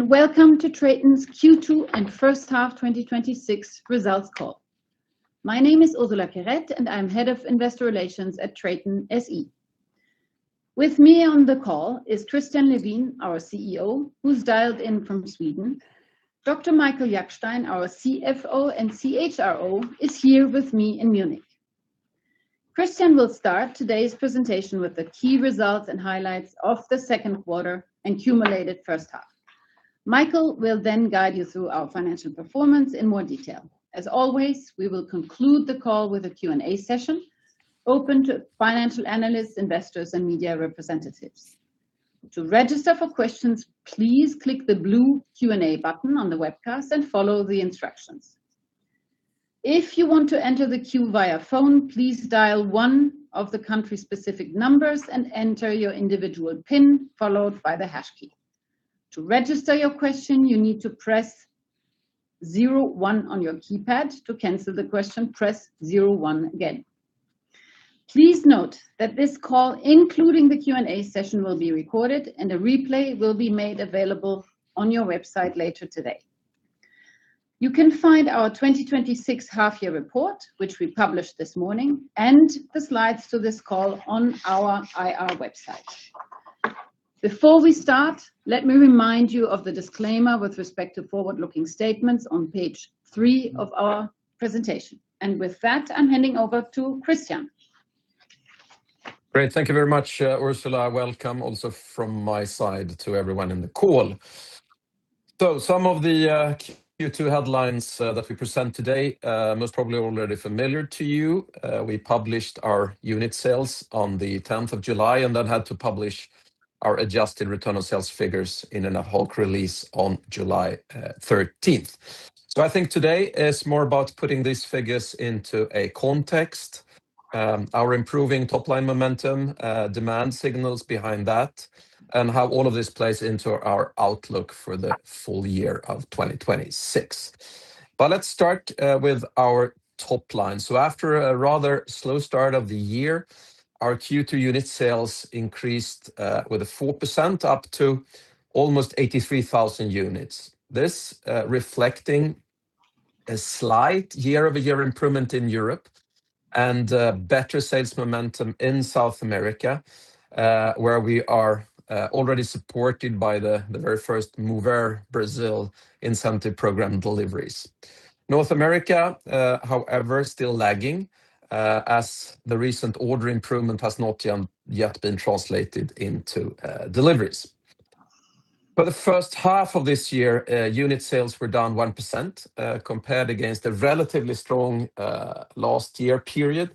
Welcome to TRATON's Q2 and H1 2026 results call. My name is Ursula Querette, and I am Head of Investor Relations at TRATON SE. With me on the call is Christian Levin, our CEO, who is dialed in from Sweden. Dr. Michael Jackstein, our CFO and CHRO, is here with me in Munich. Christian will start today's presentation with the key results and highlights of the Q2 and cumulative H1. Michael will then guide you through our financial performance in more detail. As always, we will conclude the call with a Q&A session open to financial analysts, investors, and media representatives. To register for questions, please click the blue Q&A button on the webcast and follow the instructions. If you want to enter the queue via phone, please dial one of the country-specific numbers and enter your individual pin followed by the hash key. To register your question, you need to press zero one on your keypad. To cancel the question, press zero one again. Please note that this call, including the Q&A session, will be recorded, and a replay will be made available on our website later today. You can find our 2026 half-year report, which we published this morning, and the slides to this call on our IR website. Before we start, let me remind you of the disclaimer with respect to forward-looking statements on page three of our presentation. With that, I am handing over to Christian. Great. Thank you very much, Ursula. Welcome also from my side to everyone on the call. Some of the Q2 headlines that we present today are most probably already familiar to you. We published our unit sales on the 10th of July and then had to publish our adjusted return on sales figures in an ad hoc release on July 13th. I think today is more about putting these figures into a context, our improving top-line momentum, demand signals behind that, and how all of this plays into our outlook for the full year of 2026. Let's start with our top line. After a rather slow start of the year, our Q2 unit sales increased with 4% up to almost 83,000 units. This reflecting a slight year-over-year improvement in Europe and better sales momentum in South America, where we are already supported by the very first MOVER incentive program deliveries. North America, however, is still lagging as the recent order improvement has not yet been translated into deliveries. For the H1 of this year, unit sales were down 1%, compared against a relatively strong last year period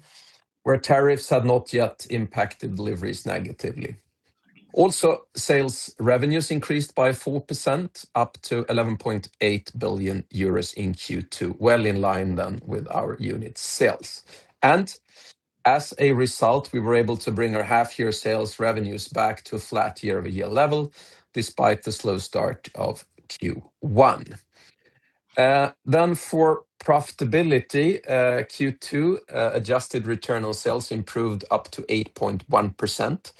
where tariffs had not yet impacted deliveries negatively. Sales revenues increased by 4%, up to 11.8 billion euros in Q2, well in line with our unit sales. As a result, we were able to bring our half-year sales revenues back to a flat year-over-year level, despite the slow start of Q1. For profitability, Q2 adjusted return on sales improved up to 8.1%.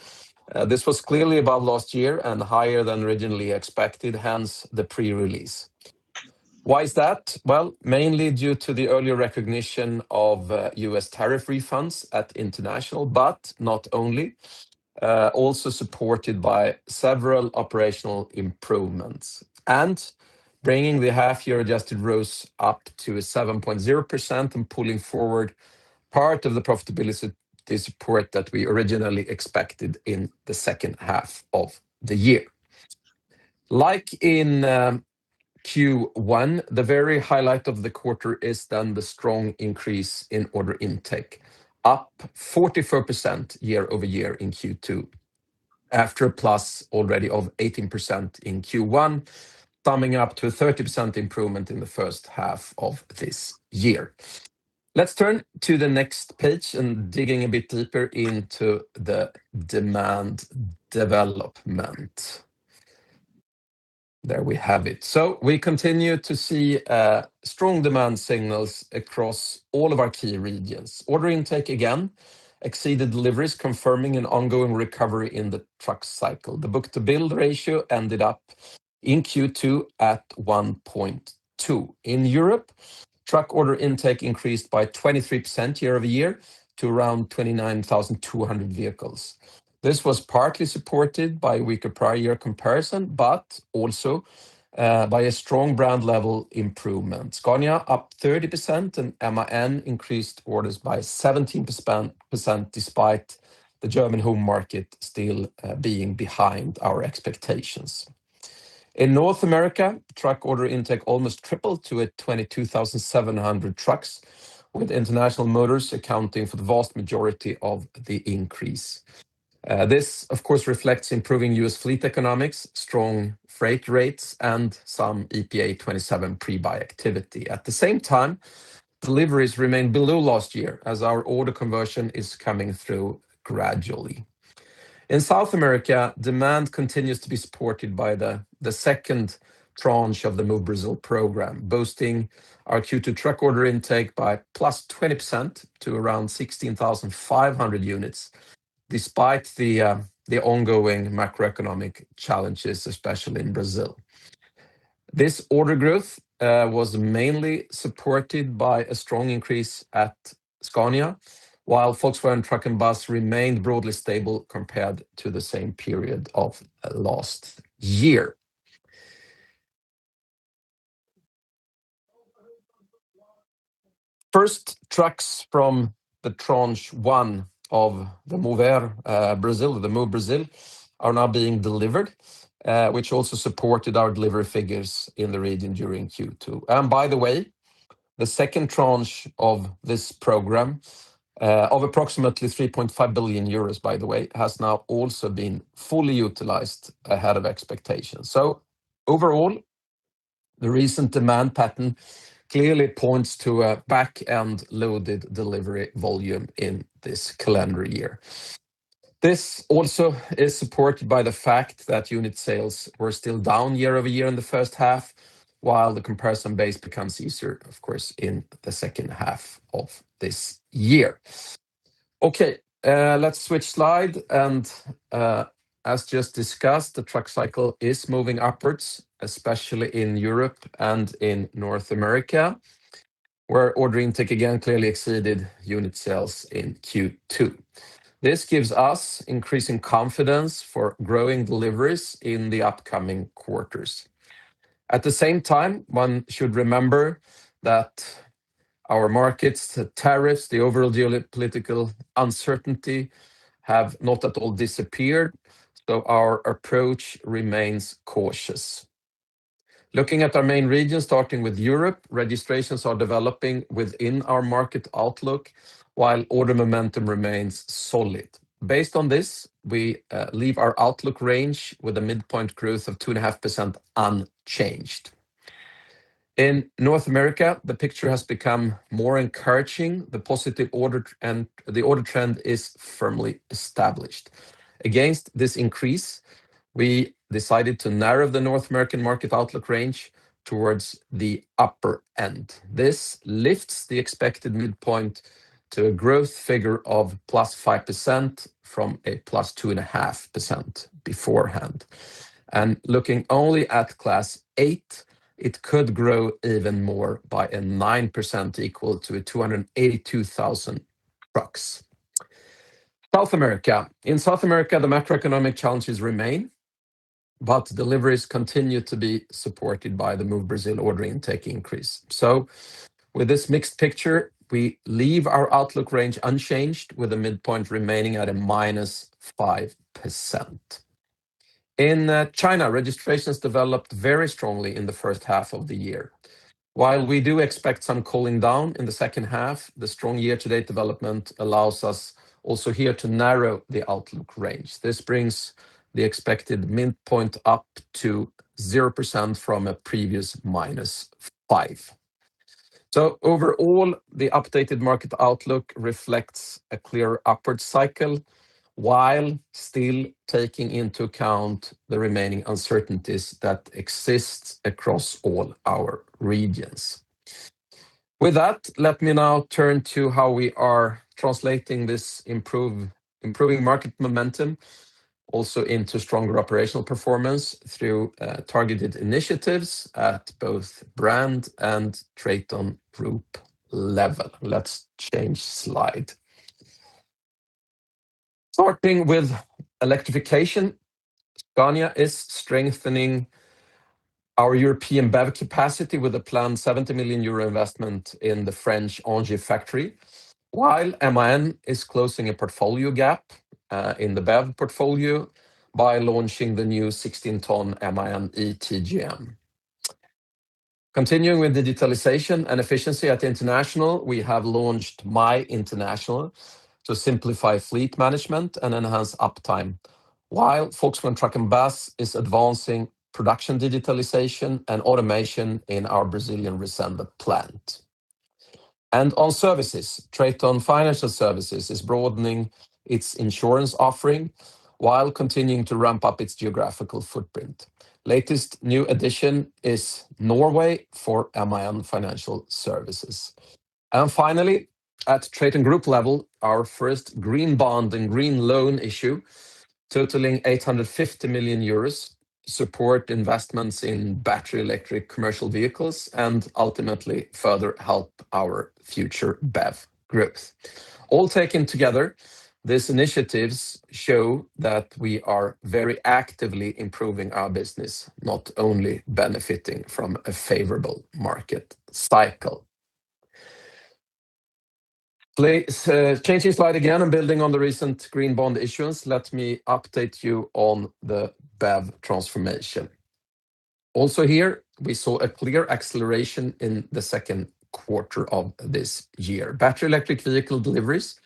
This was clearly above last year and higher than originally expected, hence the pre-release. Why is that? Mainly due to the earlier recognition of U.S. tariff refunds at International, but not only, also supported by several operational improvements. Bringing the half-year adjusted ROAS up to 7.0% and pulling forward part of the profitability support that we originally expected in the H2 of the year. Like in Q1, the very highlight of the quarter is the strong increase in order intake, up 44% year-over-year in Q2, after a plus already of 18% in Q1, summing up to a 30% improvement in the H1 of this year. Let us turn to the next page and dig a bit deeper into the demand development. There we have it. We continue to see strong demand signals across all of our key regions. Order intake, again, exceeded deliveries, confirming an ongoing recovery in the truck cycle. The book-to-bill ratio ended up in Q2 at 1.2. In Europe, truck order intake increased by 23% year-over-year to around 29,200 vehicles. This was partly supported by a weaker prior year comparison, but also by a strong brand level improvement. Scania up 30% and MAN increased orders by 17%, despite the German home market still being behind our expectations. In North America, truck order intake almost tripled to 22,700 trucks, with International Motors accounting for the vast majority of the increase. This, of course, reflects improving U.S. fleet economics, strong freight rates, and some EPA '27 pre-buy activity. At the same time, deliveries remained below last year as our order conversion is coming through gradually. In South America, demand continues to be supported by the second tranche of the MOVER Brazil program, boosting our Q2 truck order intake by +20% to around 16,500 units. Despite the ongoing macroeconomic challenges, especially in Brazil. This order growth was mainly supported by a strong increase at Scania, while Volkswagen Truck & Bus remained broadly stable compared to the same period of last year. First trucks from the tranche one of the MOVER Brazil are now being delivered, which also supported our delivery figures in the region during Q2. By the way, the second tranche of this program of approximately 3.5 billion euros, by the way, has now also been fully utilized ahead of expectations. Overall, the recent demand pattern clearly points to a back-end loaded delivery volume in this calendar year. This also is supported by the fact that unit sales were still down year-over-year in the H1, while the comparison base becomes easier, of course, in the H2 of this year. Okay, let us switch slide. As just discussed, the truck cycle is moving upwards, especially in Europe and in North America, where ordering tick again clearly exceeded unit sales in Q2. This gives us increasing confidence for growing deliveries in the upcoming quarters. At the same time, one should remember that our markets, the tariffs, the overall geopolitical uncertainty, have not at all disappeared, our approach remains cautious. Looking at our main regions, starting with Europe, registrations are developing within our market outlook, while order momentum remains solid. Based on this, we leave our outlook range with a midpoint growth of 2.5% unchanged. In North America, the picture has become more encouraging. The order trend is firmly established. Against this increase, we decided to narrow the North American market outlook range towards the upper end. This lifts the expected midpoint to a growth figure of +5% from a +2.5% beforehand. Looking only at Class 8, it could grow even more by 9%, equal to 282,000 trucks. In South America, the macroeconomic challenges remain, but deliveries continue to be supported by the MOVER order intake increase. With this mixed picture, we leave our outlook range unchanged, with a midpoint remaining at -5%. In China, registrations developed very strongly in the H1 of the year. While we do expect some cooling down in the H2, the strong year-to-date development allows us also here to narrow the outlook range. This brings the expected midpoint up to 0% from previous -5%. Overall, the updated market outlook reflects a clear upward cycle, while still taking into account the remaining uncertainties that exist across all our regions. Let me now turn to how we are translating this improving market momentum also into stronger operational performance through targeted initiatives at both brand and TRATON Group level. Let's change slide. Starting with electrification, Scania is strengthening our European BEV capacity with a planned 70 million euro investment in the French Angers factory, while MAN is closing a portfolio gap in the BEV portfolio by launching the new 16-ton MAN eTGM. Continuing with digitalization and efficiency at International, we have launched My International to simplify fleet management and enhance uptime, while Volkswagen Truck & Bus is advancing production digitalization and automation in our Brazilian Resende plant. On services, TRATON Financial Services is broadening its insurance offering while continuing to ramp up its geographical footprint. Latest new addition is Norway for MAN Financial Services. Finally, at TRATON Group level, our first green bond and green loan issue, totaling 850 million euros, support investments in battery electric commercial vehicles, and ultimately further help our future BEV growth. All taken together, these initiatives show that we are very actively improving our business, not only benefiting from a favorable market cycle. Please change the slide again. Building on the recent green bond issuance, let me update you on the BEV transformation. Also here, we saw a clear acceleration in the Q2 of this year. Battery electric vehicle deliveries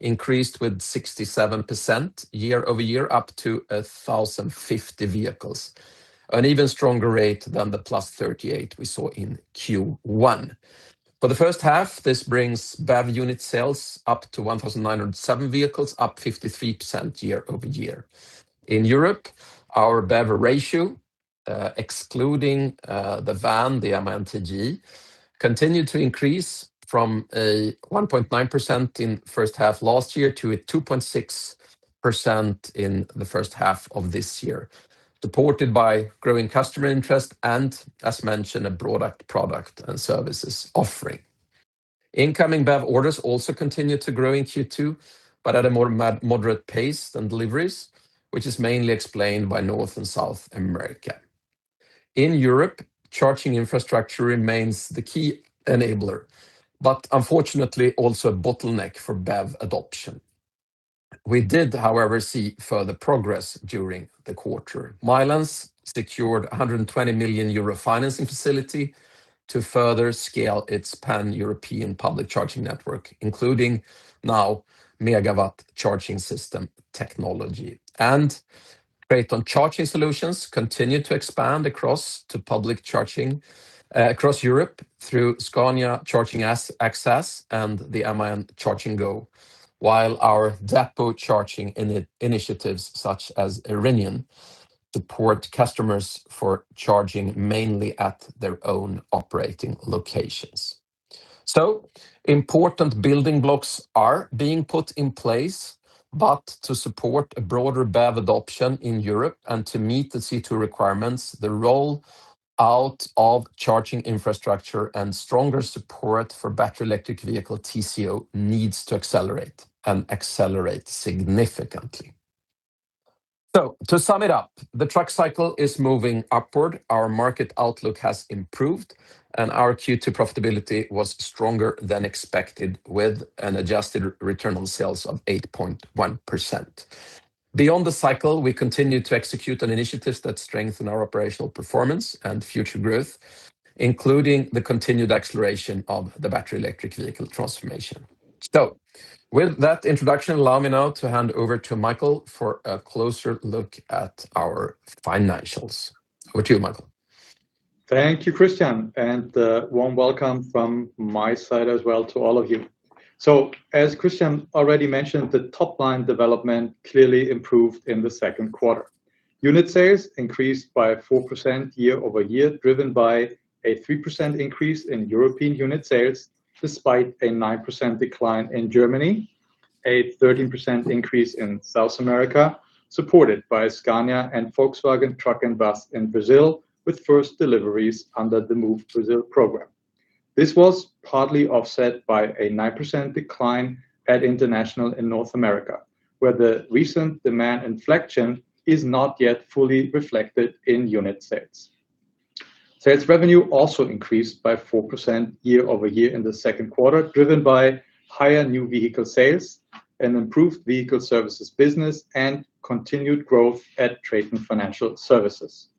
increased with 67% year-over-year, up to 1,050 vehicles, an even stronger rate than the +38% we saw in Q1. For the H1, this brings BEV unit sales up to 1,907 vehicles, up 53% year-over-year. In Europe, our BEV ratio- Excluding the van, the MAN TGE, continued to increase from 1.9% in H1 last year to 2.6% in the H1 of this year, supported by growing customer interest and, as mentioned, a broader product and services offering. Incoming BEV orders also continued to grow in Q2, but at a more moderate pace than deliveries, which is mainly explained by North and South America. In Europe, charging infrastructure remains the key enabler, but unfortunately also a bottleneck for BEV adoption. We did, however, see further progress during the quarter. Milence secured a 120 million euro financing facility to further scale its pan-European public charging network, including now Megawatt Charging System technology. TRATON Charging Solutions continue to expand across to public charging across Europe through Scania Charging Access and the MAN Charging Go. While our depot charging initiatives such as Erinion support customers for charging mainly at their own operating locations. Important building blocks are being put in place, but to support a broader BEV adoption in Europe and to meet the CO2 requirements, the roll-out of charging infrastructure and stronger support for battery electric vehicle TCO needs to accelerate and accelerate significantly. To sum it up, the truck cycle is moving upward, our market outlook has improved, and our Q2 profitability was stronger than expected with an adjusted return on sales of 8.1%. Beyond the cycle, We continue to execute on initiatives that strengthen our operational performance and future growth, including the continued acceleration of the battery electric vehicle transformation. With that introduction, allow me now to hand over to Michael for a closer look at our financials. Over to you, Michael. Thank you, Christian, and a warm welcome from my side as well to all of you. As Christian already mentioned, the top-line development clearly improved in the Q2. Unit sales increased by 4% year-over-year, driven by a 3% increase in European unit sales despite a 9% decline in Germany, a 13% increase in South America, supported by Scania and Volkswagen Truck & Bus in Brazil, with first deliveries under the MOVER Brazil program. This was partly offset by a 9% decline at International in North America, where the recent demand inflection is not yet fully reflected in unit sales. Sales revenue also increased by 4% year-over-year in the Q2, driven by higher new vehicle sales and improved vehicle services business and continued growth at TRATON Financial Services.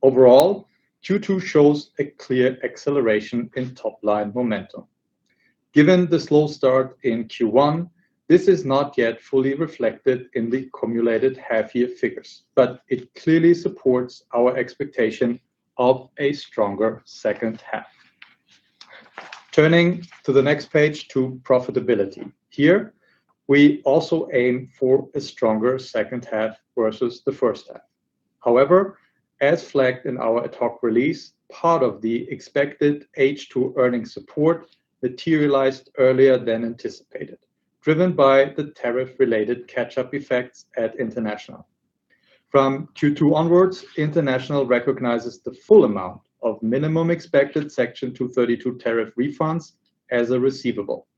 Overall, Q2 shows a clear acceleration in top-line momentum. Given the slow start in Q1, this is not yet fully reflected in the cumulated half-year figures, but it clearly supports our expectation of a stronger H2. Turning to the next page to profitability. Here, we also aim for a stronger H2 versus the H1. However, as flagged in our ad hoc release, part of the expected H2 earnings support materialized earlier than anticipated, driven by the tariff-related catch-up effects at International. From Q2 onwards, International recognizes the full amount of minimum expected Section 232 tariff refunds as a receivable.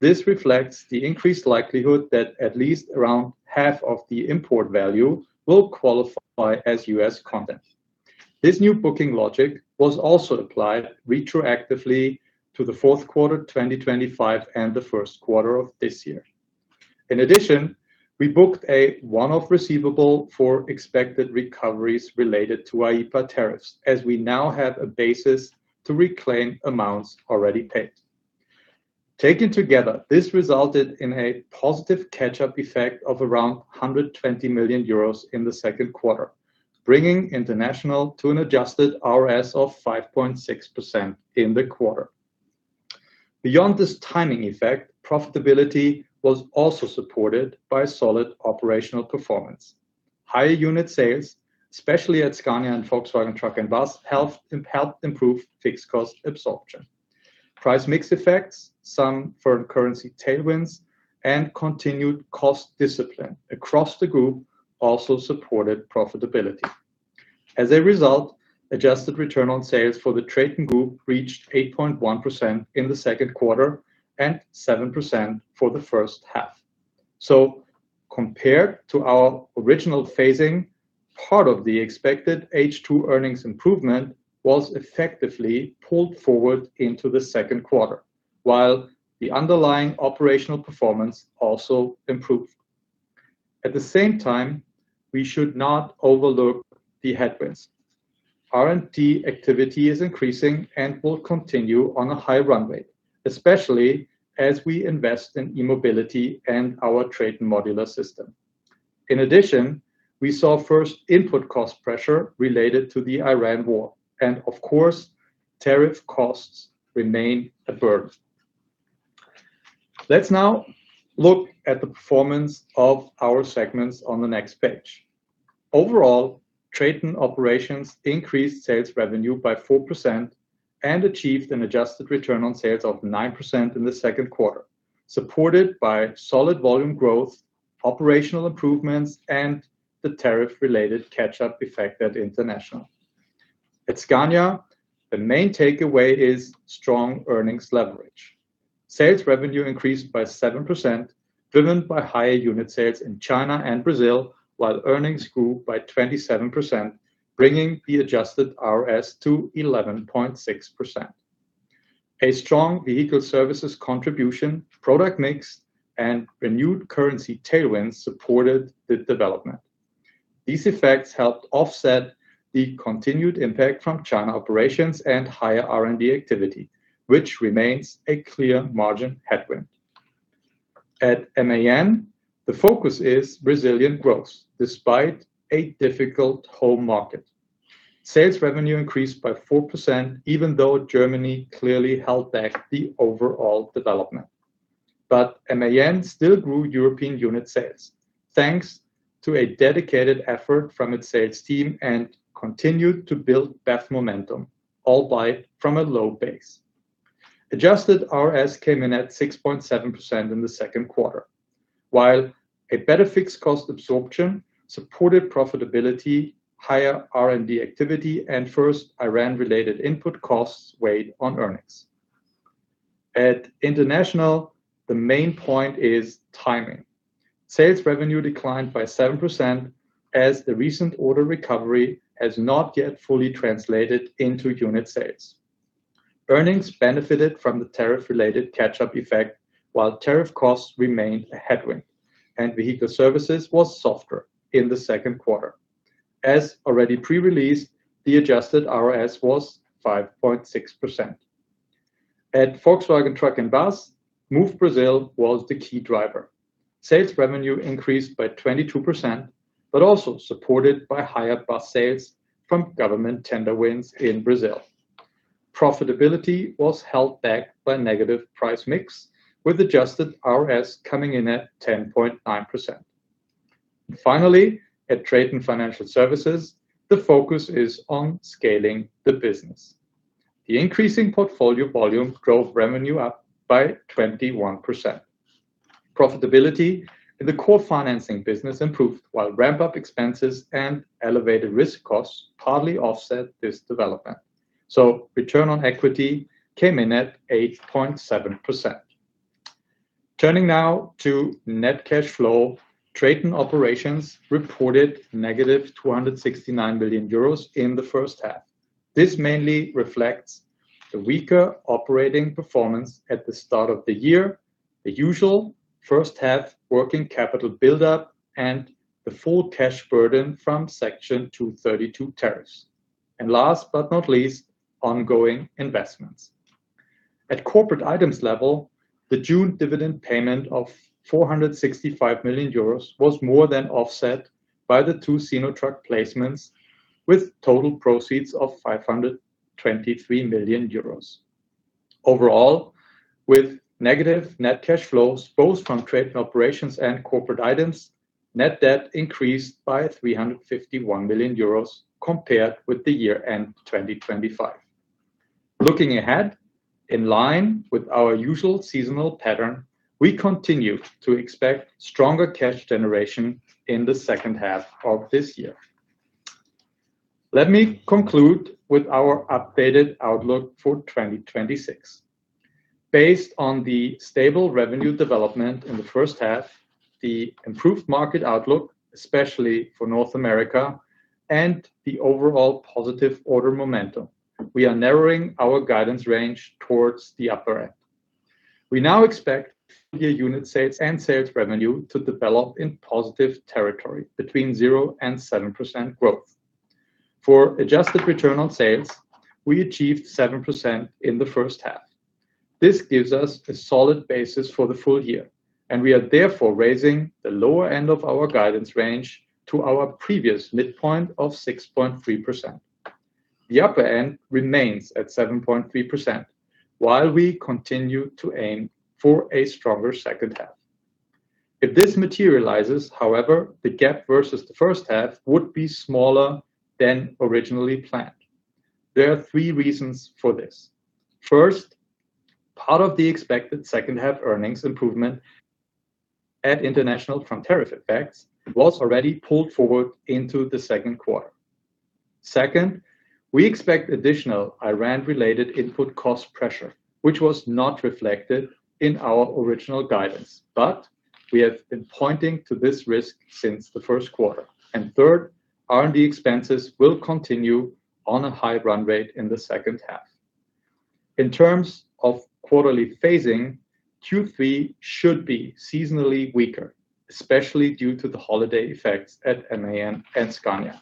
This reflects the increased likelihood that at least around half of the import value will qualify as U.S. content. This new booking logic was also applied retroactively to the Q4 2025 and the Q1 of this year. In addition, we booked a one-off receivable for expected recoveries related to IEEPA tariffs, as we now have a basis to reclaim amounts already paid. Taken together, this resulted in a positive catch-up effect of around 120 million euros in the Q2, bringing International to an adjusted RS of 5.6% in the quarter. Beyond this timing effect, profitability was also supported by solid operational performance. Higher unit sales, especially at Scania and Volkswagen Truck & Bus, helped improve fixed cost absorption. Price mix effects, some foreign currency tailwinds, and continued cost discipline across the Group also supported profitability. As a result, adjusted return on sales for the TRATON Group reached 8.1% in the Q2 and 7% for the H1. Compared to our original phasing, part of the expected H2 earnings improvement was effectively pulled forward into the Q2, while the underlying operational performance also improved. At the same time, we should not overlook the headwinds. R&D activity is increasing and will continue on a high run rate, especially as we invest in e-mobility and our TRATON Modular System. In addition, we saw first input cost pressure related to the Iran war, and of course, tariff costs remain a burden. Let's now look at the performance of our segments on the next page. Overall, TRATON Operations increased sales revenue by 4% and achieved an adjusted return on sales of 9% in the Q2, supported by solid volume growth, operational improvements, and the tariff-related catch-up effect at International. At Scania, the main takeaway is strong earnings leverage. Sales revenue increased by 7%, driven by higher unit sales in China and Brazil, while earnings grew by 27%, bringing the adjusted RS to 11.6%. A strong vehicle services contribution, product mix, and renewed currency tailwinds supported the development. These effects helped offset the continued impact from China operations and higher R&D activity, which remains a clear margin headwind. At MAN, the focus is resilient growth despite a difficult home market. Sales revenue increased by 4%, even though Germany clearly held back the overall development. MAN still grew European unit sales thanks to a dedicated effort from its sales team and continued to build parts momentum, albeit from a low base. Adjusted RS came in at 6.7% in the Q2, while a better fixed cost absorption supported profitability, higher R&D activity, and first Iran-related input costs weighed on earnings. At International, the main point is timing. Sales revenue declined by 7% as the recent order recovery has not yet fully translated into unit sales. Earnings benefited from the tariff-related catch-up effect, while tariff costs remained a headwind and vehicle services was softer in the Q2. As already pre-released, the adjusted RS was 5.6%. At Volkswagen Truck and Bus, Move Brazil was the key driver. Sales revenue increased by 22%, but also supported by higher bus sales from government tender wins in Brazil. Profitability was held back by negative price mix, with adjusted RS coming in at 10.9%. Finally, at TRATON Financial Services, the focus is on scaling the business. The increasing portfolio volume drove revenue up by 21%. Profitability in the core financing business improved, while ramp-up expenses and elevated risk costs partly offset this development, so return on equity came in at 8.7%. Turning now to net cash flow, TRATON Operations reported -269 million euros in the H1. This mainly reflects the weaker operating performance at the start of the year, the usual first-half working capital buildup, and the full cash burden from Section 232 tariffs. Last but not least, ongoing investments. At Corporate Items level, the June dividend payment of 465 million euros was more than offset by the two Sinotruk placements, with total proceeds of 523 million euros. Overall, with negative net cash flows both from TRATON Operations and Corporate Items, net debt increased by 351 million euros compared with the year-end 2025. Looking ahead, in line with our usual seasonal pattern, we continue to expect stronger cash generation in the H2 of this year. Let me conclude with our updated outlook for 2026. Based on the stable revenue development in the H1, the improved market outlook, especially for North America, and the overall positive order momentum, we are narrowing our guidance range towards the upper end. We now expect year unit sales and sales revenue to develop in positive territory between 0%-7% growth. For adjusted return on sales, we achieved 7% in the H1. This gives us a solid basis for the full year, we are therefore raising the lower end of our guidance range to our previous midpoint of 6.3%. The upper end remains at 7.3%, while we continue to aim for a stronger H2. If this materializes, however, the gap versus the H1 would be smaller than originally planned. There are three reasons for this. First, part of the expected H2 earnings improvement at International from tariff effects was already pulled forward into the Q2. Second, we expect additional Iran-related input cost pressure, which was not reflected in our original guidance, but we have been pointing to this risk since the Q1. Third, R&D expenses will continue on a high run rate in the H2. In terms of quarterly phasing, Q3 should be seasonally weaker, especially due to the holiday effects at MAN and Scania.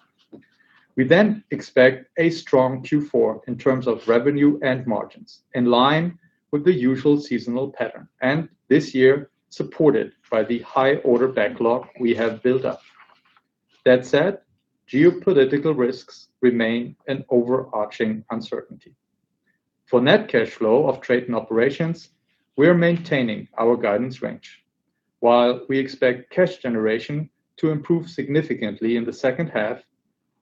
We expect a strong Q4 in terms of revenue and margins, in line with the usual seasonal pattern, and this year, supported by the high order backlog we have built up. That said, geopolitical risks remain an overarching uncertainty. For net cash flow of TRATON Operations, we are maintaining our guidance range. While we expect cash generation to improve significantly in the H2,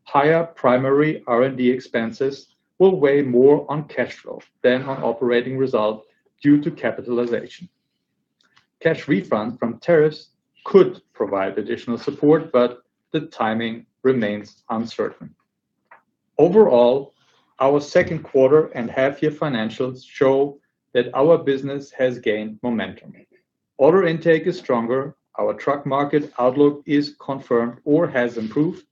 higher primary R&D expenses will weigh more on cash flow than on operating results due to capitalization. Cash refunds from tariffs could provide additional support, but the timing remains uncertain. Overall, our Q2 and half-year financials show that our business has gained momentum. Order intake is stronger. Our truck market outlook is confirmed or has improved,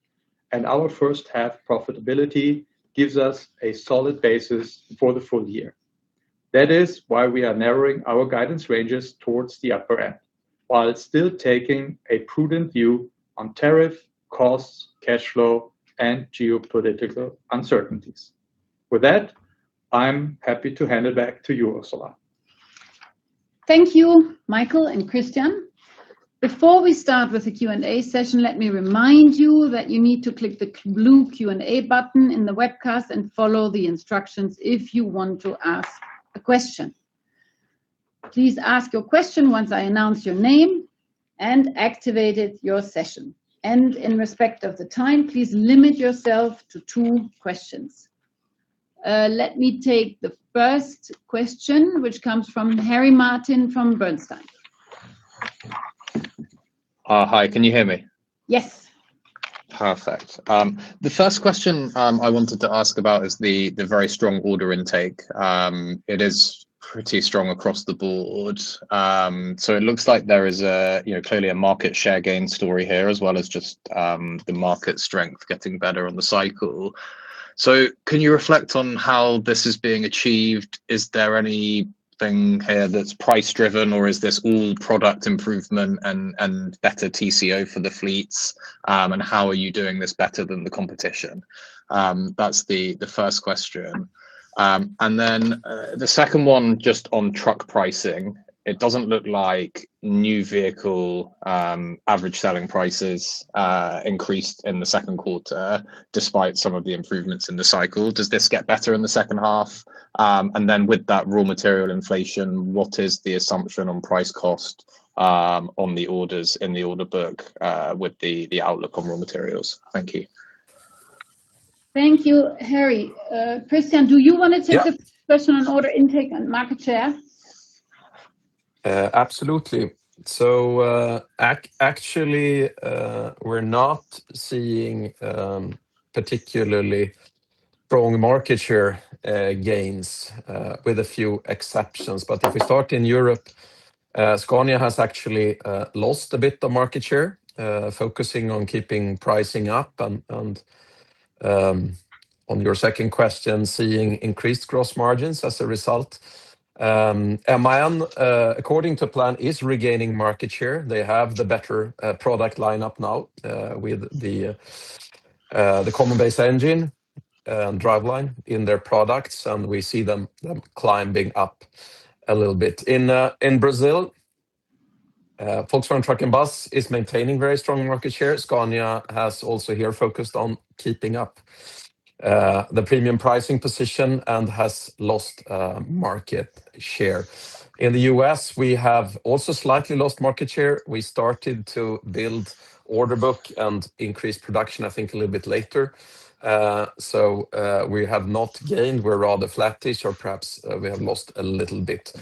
our H1 profitability gives us a solid basis for the full year. That is why we are narrowing our guidance ranges towards the upper end, while still taking a prudent view on tariff costs, cash flow, and geopolitical uncertainties. With that, I'm happy to hand it back to you, Ursula. Thank you, Michael and Christian. Before we start with the Q&A session, let me remind you that you need to click the blue Q&A button in the webcast and follow the instructions if you want to ask a question. Please ask your question once I announce your name and activated your session. In respect of the time, please limit yourself to two questions. Let me take the first question, which comes from Harry Martin from Bernstein. Hi, can you hear me? Yes. Perfect. The first question I wanted to ask about is the very strong order intake. It is pretty strong across the board. It looks like there is clearly a market share gain story here, as well as just the market strength getting better on the cycle. Can you reflect on how this is being achieved? Is there anything here that's price-driven, or is this all product improvement and better TCO for the fleets? How are you doing this better than the competition? That's the first question. The second one, just on truck pricing. It doesn't look like new vehicle average selling prices increased in the Q2, despite some of the improvements in the cycle. Does this get better in the H2? With that raw material inflation, what is the assumption on price cost on the orders in the order book with the outlook on raw materials? Thank you. Thank you, Harry. Christian, do you want to take the question on order intake and market share? Absolutely. Actually, we're not seeing particularly strong market share gains, with a few exceptions. If we start in Europe, Scania has actually lost a bit of market share, focusing on keeping pricing up and, on your second question, seeing increased gross margins as a result. MAN, according to plan, is regaining market share. They have the better product lineup now, with the Common Base Engine and driveline in their products, and we see them climbing up a little bit. In Brazil, Volkswagen Truck & Bus is maintaining very strong market share. Scania has also here focused on keeping up the premium pricing position and has lost market share. In the U.S., we have also slightly lost market share. We started to build order book and increased production, I think, a little bit later. We have not gained. We're rather flattish or perhaps we have lost a little bit.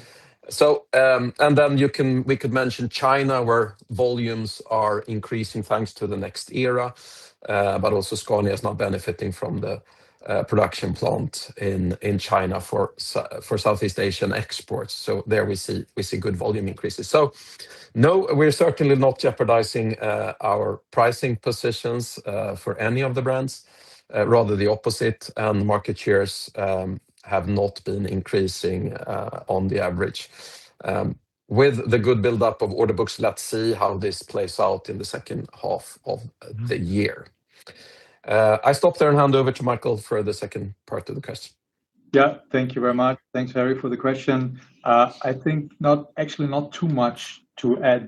We could mention China, where volumes are increasing thanks to the NEXT ERA. Also Scania is now benefiting from the production plant in China for Southeast Asian exports. There we see good volume increases. No, we're certainly not jeopardizing our pricing positions for any of the brands, rather the opposite, and market shares have not been increasing on the average. With the good buildup of order books, let's see how this plays out in the H2 of the year. I stop there and hand over to Michael for the second part of the question. Thank you very much. Thanks, Harry, for the question. I think actually not too much to add.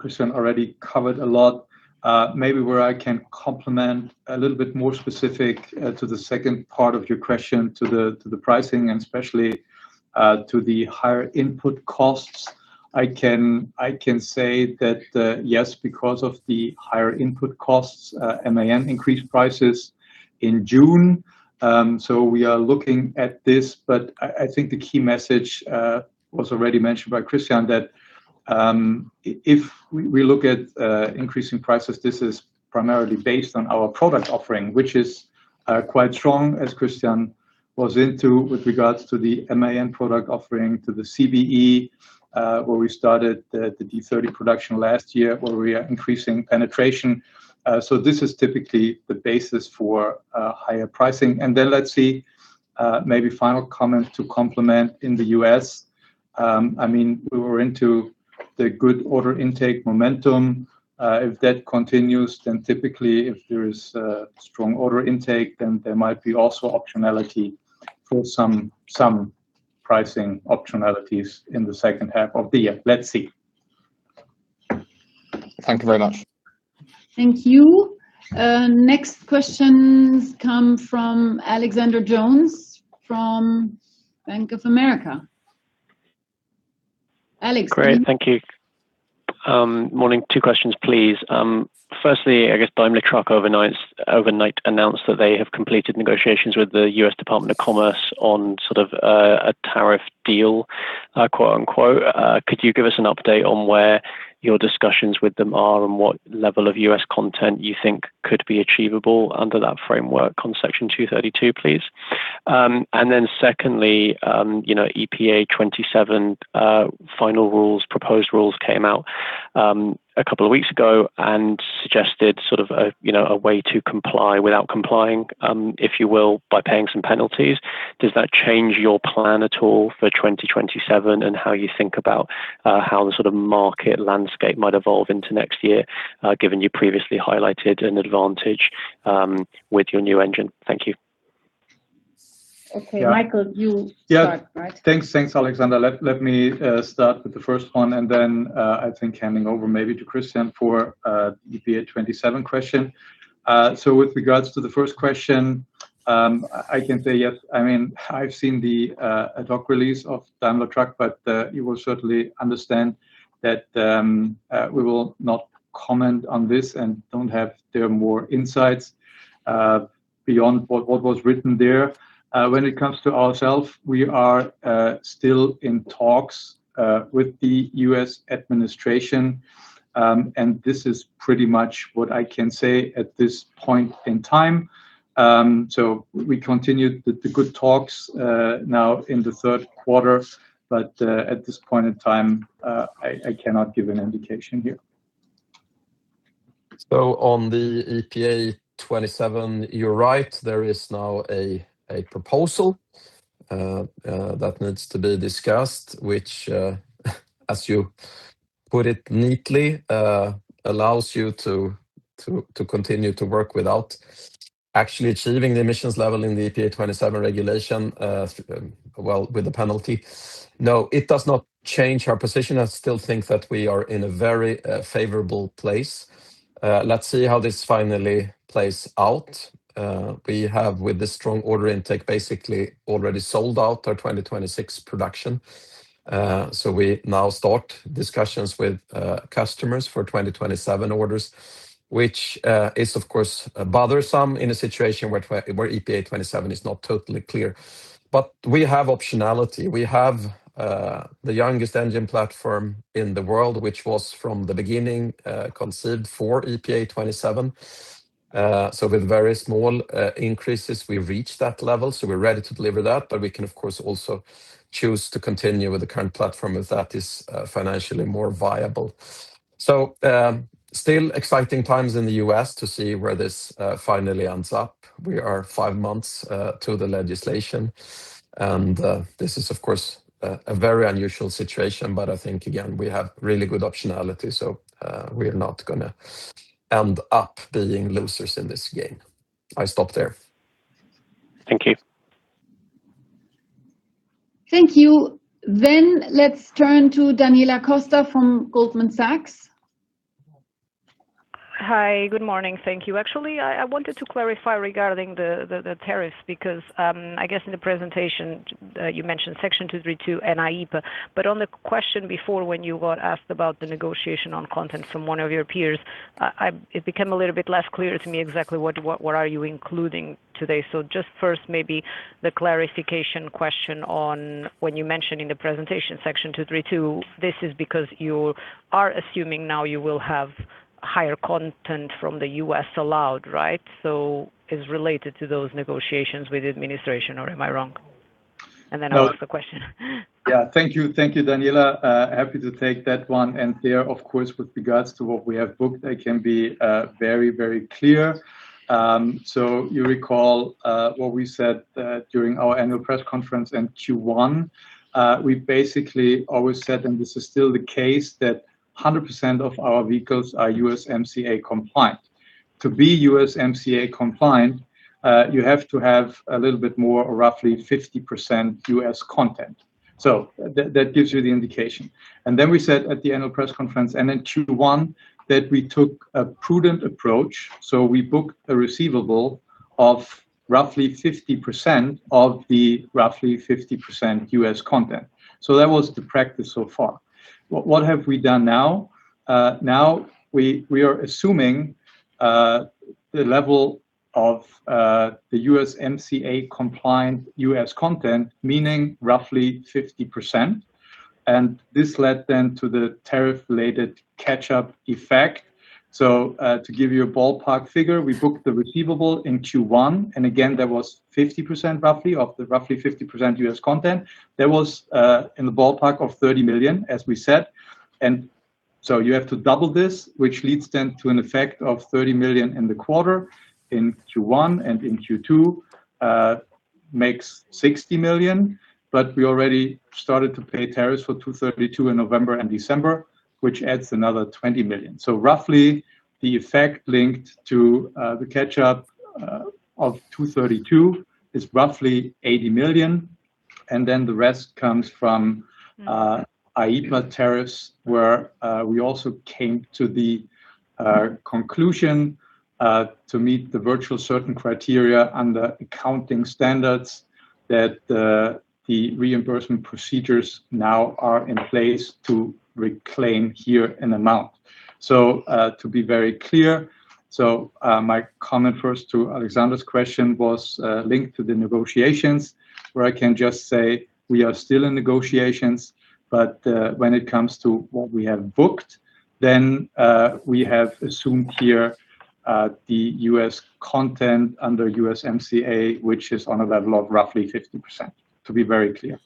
Christian already covered a lot. Maybe where I can complement a little bit more specific to the second part of your question, to the pricing and especially to the higher input costs, I can say that, yes, because of the higher input costs, MAN increased prices in June. We are looking at this, I think the key message was already mentioned by Christian, that if we look at increasing prices, this is primarily based on our product offering, which is quite strong, as Christian was into with regards to the MAN product offering to the CBE, where we started the D30 production last year, where we are increasing penetration. This is typically the basis for higher pricing. Let's see, maybe final comment to complement in the U.S. We were into the good order intake momentum. If that continues, typically if there is strong order intake, there might be also optionality for some pricing optionalities in the H2 of the year. Let's see. Thank you very much. Thank you. Next questions come from Alexander Jones from Bank of America. Alexander. Great. Thank you. Morning. Two questions, please. Firstly, I guess Daimler Truck overnight announced that they have completed negotiations with the U.S. Department of Commerce on a tariff deal, quote-unquote. Could you give us an update on where your discussions with them are, and what level of U.S. content you think could be achievable under that framework on Section 232, please? Secondly, EPA27 final rules, proposed rules, came out a couple of weeks ago and suggested a way to comply without complying, if you will, by paying some penalties. Does that change your plan at all for 2027, and how you think about how the sort of market landscape might evolve into next year, given you previously highlighted an advantage with your new engine? Thank you. Okay, Michael, you start, right? Thanks, Alexander. Let me start with the first one. I think handing over maybe to Christian for EPA27 question. With regards to the first question, I can say yes. I've seen the ad hoc release of Daimler Truck. You will certainly understand that we will not comment on this and don't have there more insights beyond what was written there. When it comes to ourselves, we are still in talks with the U.S. administration, and this is pretty much what I can say at this point in time. We continue the good talks now in the Q3. At this point in time, I cannot give an indication here. On the EPA27, you're right, there is now a proposal that needs to be discussed, which, as you put it neatly, allows you to continue to work without actually achieving the emissions level in the EPA27 regulation, well, with the penalty. No, it does not change our position. I still think that we are in a very favorable place. Let's see how this finally plays out. We have, with the strong order intake, basically already sold out our 2026 production. We now start discussions with customers for 2027 orders, which is, of course, bothersome in a situation where EPA27 is not totally clear. We have optionality. We have the youngest engine platform in the world, which was from the beginning conceived for EPA27. With very small increases, we reach that level, so we're ready to deliver that. We can, of course, also choose to continue with the current platform if that is financially more viable. Still exciting times in the U.S. to see where this finally ends up. We are five months to the legislation. This is, of course, a very unusual situation. I think, again, we have really good optionality, so we are not going to end up being losers in this game. I stop there. Thank you. Thank you. Let's turn to Daniela Costa from Goldman Sachs. Hi. Good morning. Thank you. I wanted to clarify regarding the tariffs, because, I guess in the presentation, you mentioned Section 232 and IEPA, but on the question before, when you were asked about the negotiation on content from one of your peers, it became a little bit less clear to me exactly what are you including today. Just first maybe the clarification question on when you mentioned in the presentation Section 232, this is because you are assuming now you will have higher content from the U.S. allowed, right? It's related to those negotiations with the administration, or am I wrong? I'll ask the question. Thank you, Daniela. Happy to take that one. There, of course, with regards to what we have booked, I can be very clear. You recall what we said during our annual press conference in Q1. We basically always said, and this is still the case, that 100% of our vehicles are USMCA compliant. To be USMCA compliant, you have to have a little bit more, or roughly 50% U.S. content. That gives you the indication. We said at the annual press conference and in Q1 that we took a prudent approach, so we booked a receivable of roughly 50% of the roughly 50% U.S. content. That was the practice so far. What have we done now? Now we are assuming the level of the USMCA compliant U.S. content, meaning roughly 50%. This led then to the tariff-related catch-up effect. To give you a ballpark figure, we booked the receivable in Q1, and again, that was 50%, roughly, of the roughly 50% U.S. content. That was in the ballpark of 30 million, as we said. You have to double this, which leads then to an effect of 30 million in the quarter in Q1 and in Q2, makes 60 million, But we already started to pay tariffs for 232 in November and December. Which adds another 20 million. Roughly the effect linked to the catch-up of 232 is roughly 80 million, the rest comes from- IEPA tariffs, where we also came to the conclusion to meet the virtually certain criteria under accounting standards that the reimbursement procedures now are in place to reclaim here an amount. To be very clear, my comment first to Alexander's question was linked to the negotiations, where I can just say we are still in negotiations, but when it comes to what we have booked, we have assumed here the U.S. content under USMCA, which is on a level of roughly 50%, to be very clear.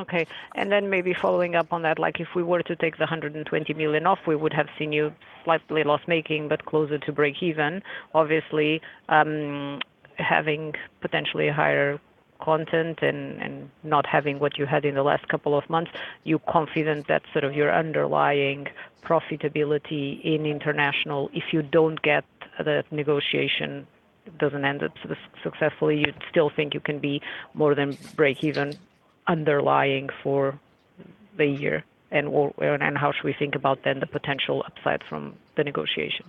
Okay. Maybe following up on that, if we were to take the 120 million off, we would have seen you slightly loss-making, but closer to breakeven. Obviously, having potentially higher content and not having what you had in the last couple of months, are you confident that your underlying profitability in International, If you don't get the negotiation, doesn't end up successfully, you'd still think you can be more than breakeven underlying for the year? How should we think about the potential upside from the negotiation?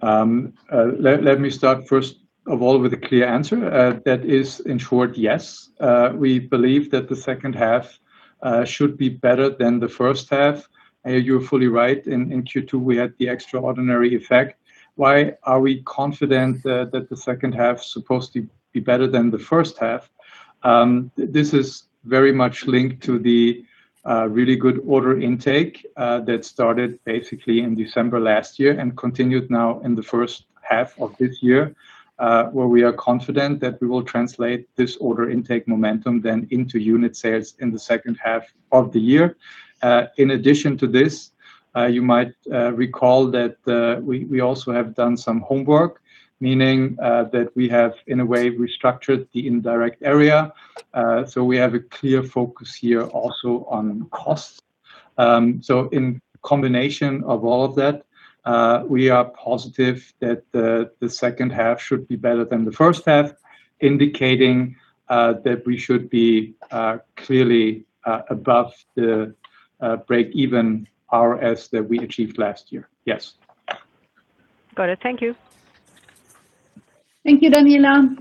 Let me start first of all with a clear answer. That is, in short, yes. We believe that the H2 should be better than the H1. You are fully right. In Q2, we had the extraordinary effect. Why are we confident that the H2 is supposed to be better than the H1? This is very much linked to the really good order intake that started basically in December last year and continued now in the H1 of this year, Where we are confident that we will translate this order intake momentum then into unit sales in the H2 of the year. In addition to this, you might recall that we also have done some homework, meaning that we have, in a way, restructured the indirect area. We have a clear focus here also on costs. In combination of all of that, we are positive that the H2 should be better than the H1, indicating that we should be clearly above the breakeven RS that we achieved last year. Yes. Got it. Thank you. Thank you, Daniela.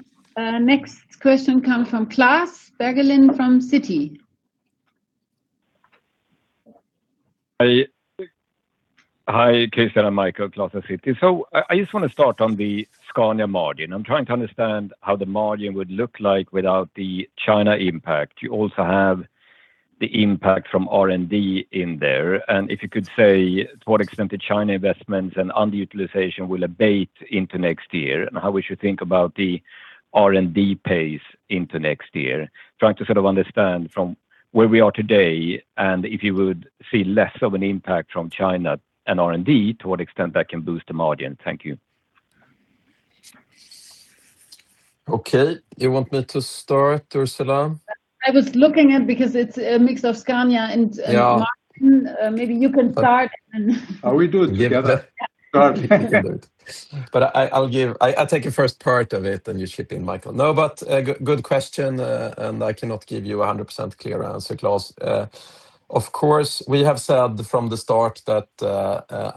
Next question comes from Klas Bergelind from Citi. Hi, Christian and Michael. Klas of Citi. I just want to start on the Scania margin. I'm trying to understand how the margin would look like without the China impact. You also have the impact from R&D in there. If you could say to what extent the China investments and underutilization will abate into next year, and how we should think about the R&D pace into next year. Trying to understand from where we are today, and if you would see less of an impact from China and R&D, to what extent that can boost the margin. Thank you. Okay. You want me to start, or Ursula? I was looking at, because it's a mix of Scania. Yeah Michael. Maybe you can start. We do it together. Yeah. Start. You can do it. I'll take the first part of it, then you chip in, Michael. Good question, and I cannot give you 100% clear answer, Klas. Of course, we have said from the start that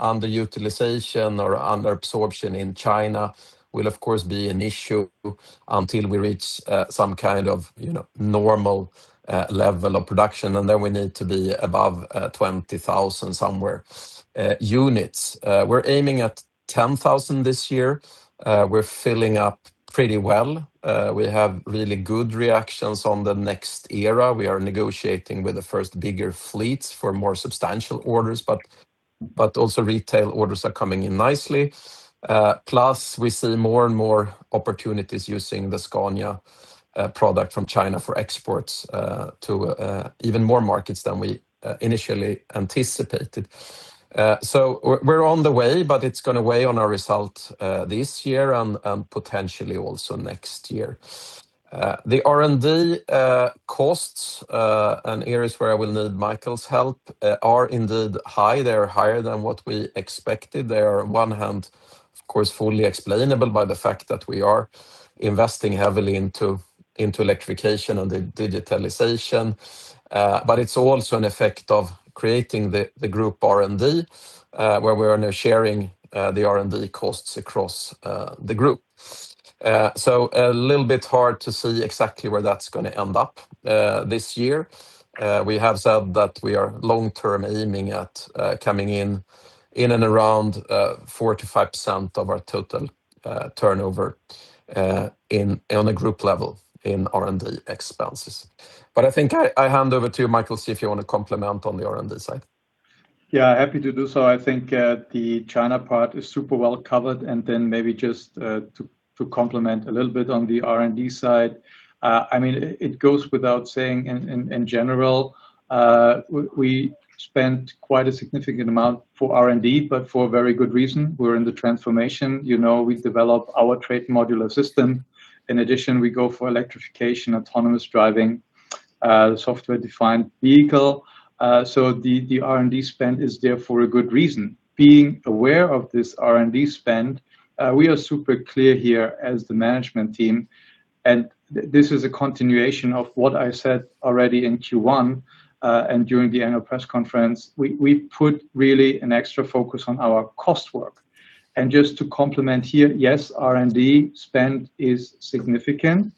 underutilization or under absorption in China will, of course, be an issue until we reach some kind of normal level of production, and then we need to be above 20,000 units. We're aiming at 10,000 this year. We're filling up pretty well. We have really good reactions on the NEXT ERA. We are negotiating with the first bigger fleets for more substantial orders, but also retail orders are coming in nicely. We see more and more opportunities using the Scania product from China for exports, to even more markets than we initially anticipated. We're on the way, but it's going to weigh on our result, this year and potentially also next year. The R&D costs, here is where I will need Michael's help, are indeed high. They're higher than what we expected. They are on one hand, of course, fully explainable by the fact that we are investing heavily into electrification and the digitalization. It's also an effect of creating the group R&D, where we're now sharing the R&D costs across the group. A little bit hard to see exactly where that's going to end up this year. We have said that we are long-term aiming at coming in and around 4%-5% of our total turnover on a group level in R&D expenses. I think I hand over to you, Michael, see if you want to complement on the R&D side. Happy to do so. I think the China part is super well covered, then maybe just to complement a little bit on the R&D side. It goes without saying in general, we spent quite a significant amount for R&D, for a very good reason. We're in the transformation. We've developed our TRATON Modular System. In addition, we go for electrification, autonomous driving. The software-defined vehicle. The R&D spend is there for a good reason. Being aware of this R&D spend, we are super clear here as the management team, and this is a continuation of what I said already in Q1 and during the annual press conference. We put really an extra focus on our cost work. Just to complement here, yes, R&D spend is significant,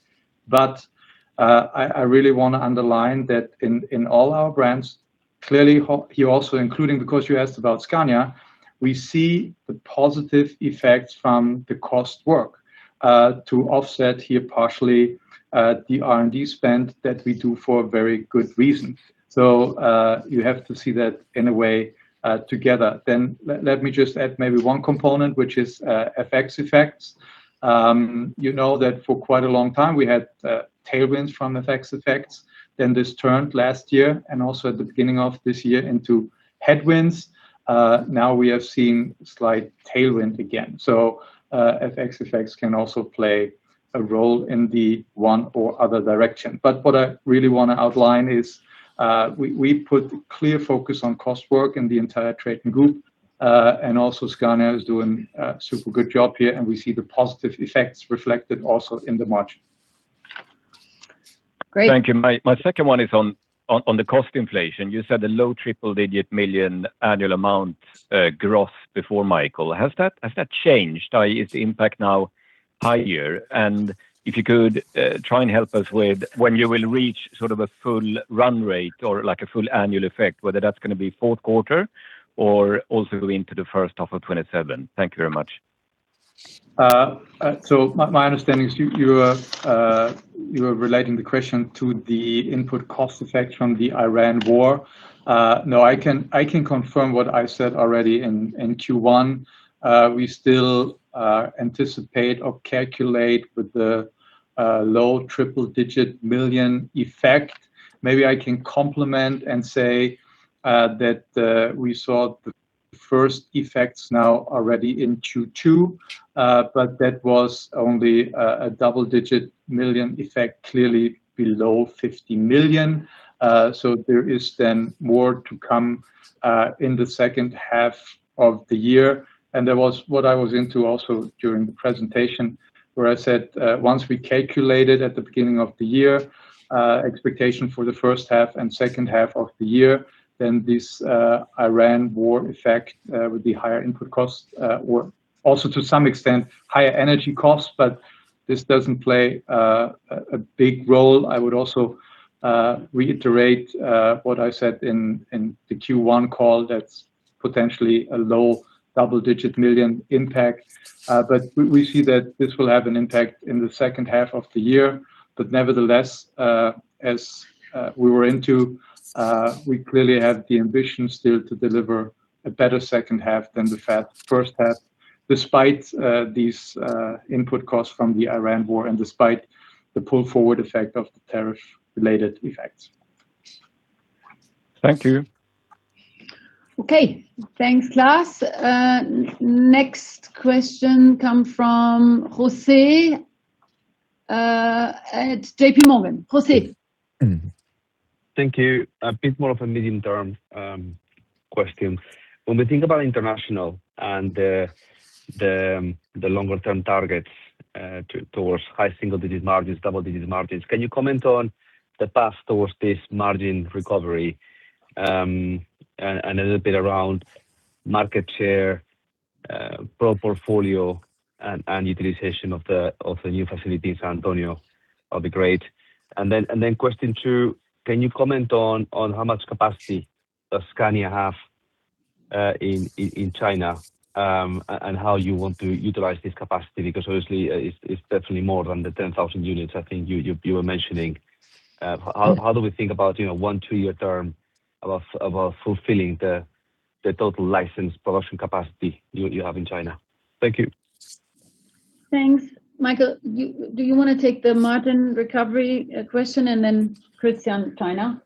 I really want to underline that in all our brands, clearly here also including, because you asked about Scania, we see the positive effects from the cost work to offset here partially the R&D spend that we do for a very good reason. You have to see that in a way together. Let me just add maybe one component, which is FX effects. You know that for quite a long time we had tailwinds from FX effects, then this turned last year and also at the beginning of this year into headwinds. We have seen slight tailwind again. FX effects can also play a role in the one or other direction. What I really want to outline is, we put clear focus on cost work in the entire TRATON GROUP. Scania is doing a super good job here, and we see the positive effects reflected also in the margin. Great. Thank you. My second one is on the cost inflation. You said a low triple-digit million EUR annual amount growth before Michael. Has that changed? Is the impact now higher? If you could try and help us with when you will reach a full run rate or a full annual effect, whether that's going to be Q4 or also into the H1 of 2027. Thank you very much. My understanding is you are relating the question to the input cost effect from the Iran war. No, I can confirm what I said already in Q1. We still anticipate or calculate with the low triple-digit million EUR effect. Maybe I can complement and say that we saw the first effects now already in Q2. That was only a double-digit million EUR effect, clearly below 50 million. There is then more to come in the H2 of the year. There was what I was into also during the presentation, where I said, once we calculated at the beginning of the year, expectation for the H1 and H2 of the year, then this Iran war effect with the higher input costs, or also to some extent, higher energy costs, this doesn't play a big role. I would also reiterate what I said in the Q1 call, that's potentially a low double-digit million EUR impact. We see that this will have an impact in the H2 of the year. Nevertheless, as we were into, we clearly have the ambition still to deliver a better H2 than the H1, despite these input costs from the Iran war and despite the pull-forward effect of the tariff-related effects. Thank you. Okay. Thanks, Klas. Next question come from José at JPMorgan. José. Thank you. A bit more of a medium-term question. When we think about International and the longer-term targets towards high single-digit margins, double-digit margins, can you comment on the path towards this margin recovery? A little bit around market share, pro portfolio, and utilization of the new facility in San Antonio will be great. Then question two, can you comment on how much capacity does Scania have in China, and how you want to utilize this capacity? Because obviously, it's definitely more than the 10,000 units I think you were mentioning. How do we think about one, two-year term of fulfilling the total license production capacity you have in China? Thank you. Thanks. Michael, do you want to take the margin recovery question and then Christian, China?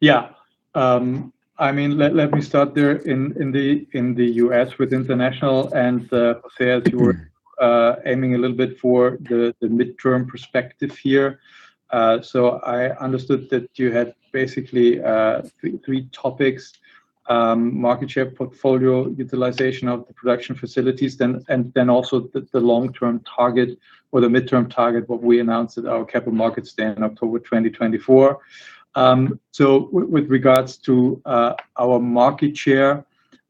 Yeah. Let me start there in the U.S. with International and the sales you were aiming a little bit for the midterm perspective here. I understood that you had basically three topics, market share, portfolio utilization of the production facilities. Also the long-term target or the midterm target, what we announced at our capital market stand in October 2024. With regards to our market share,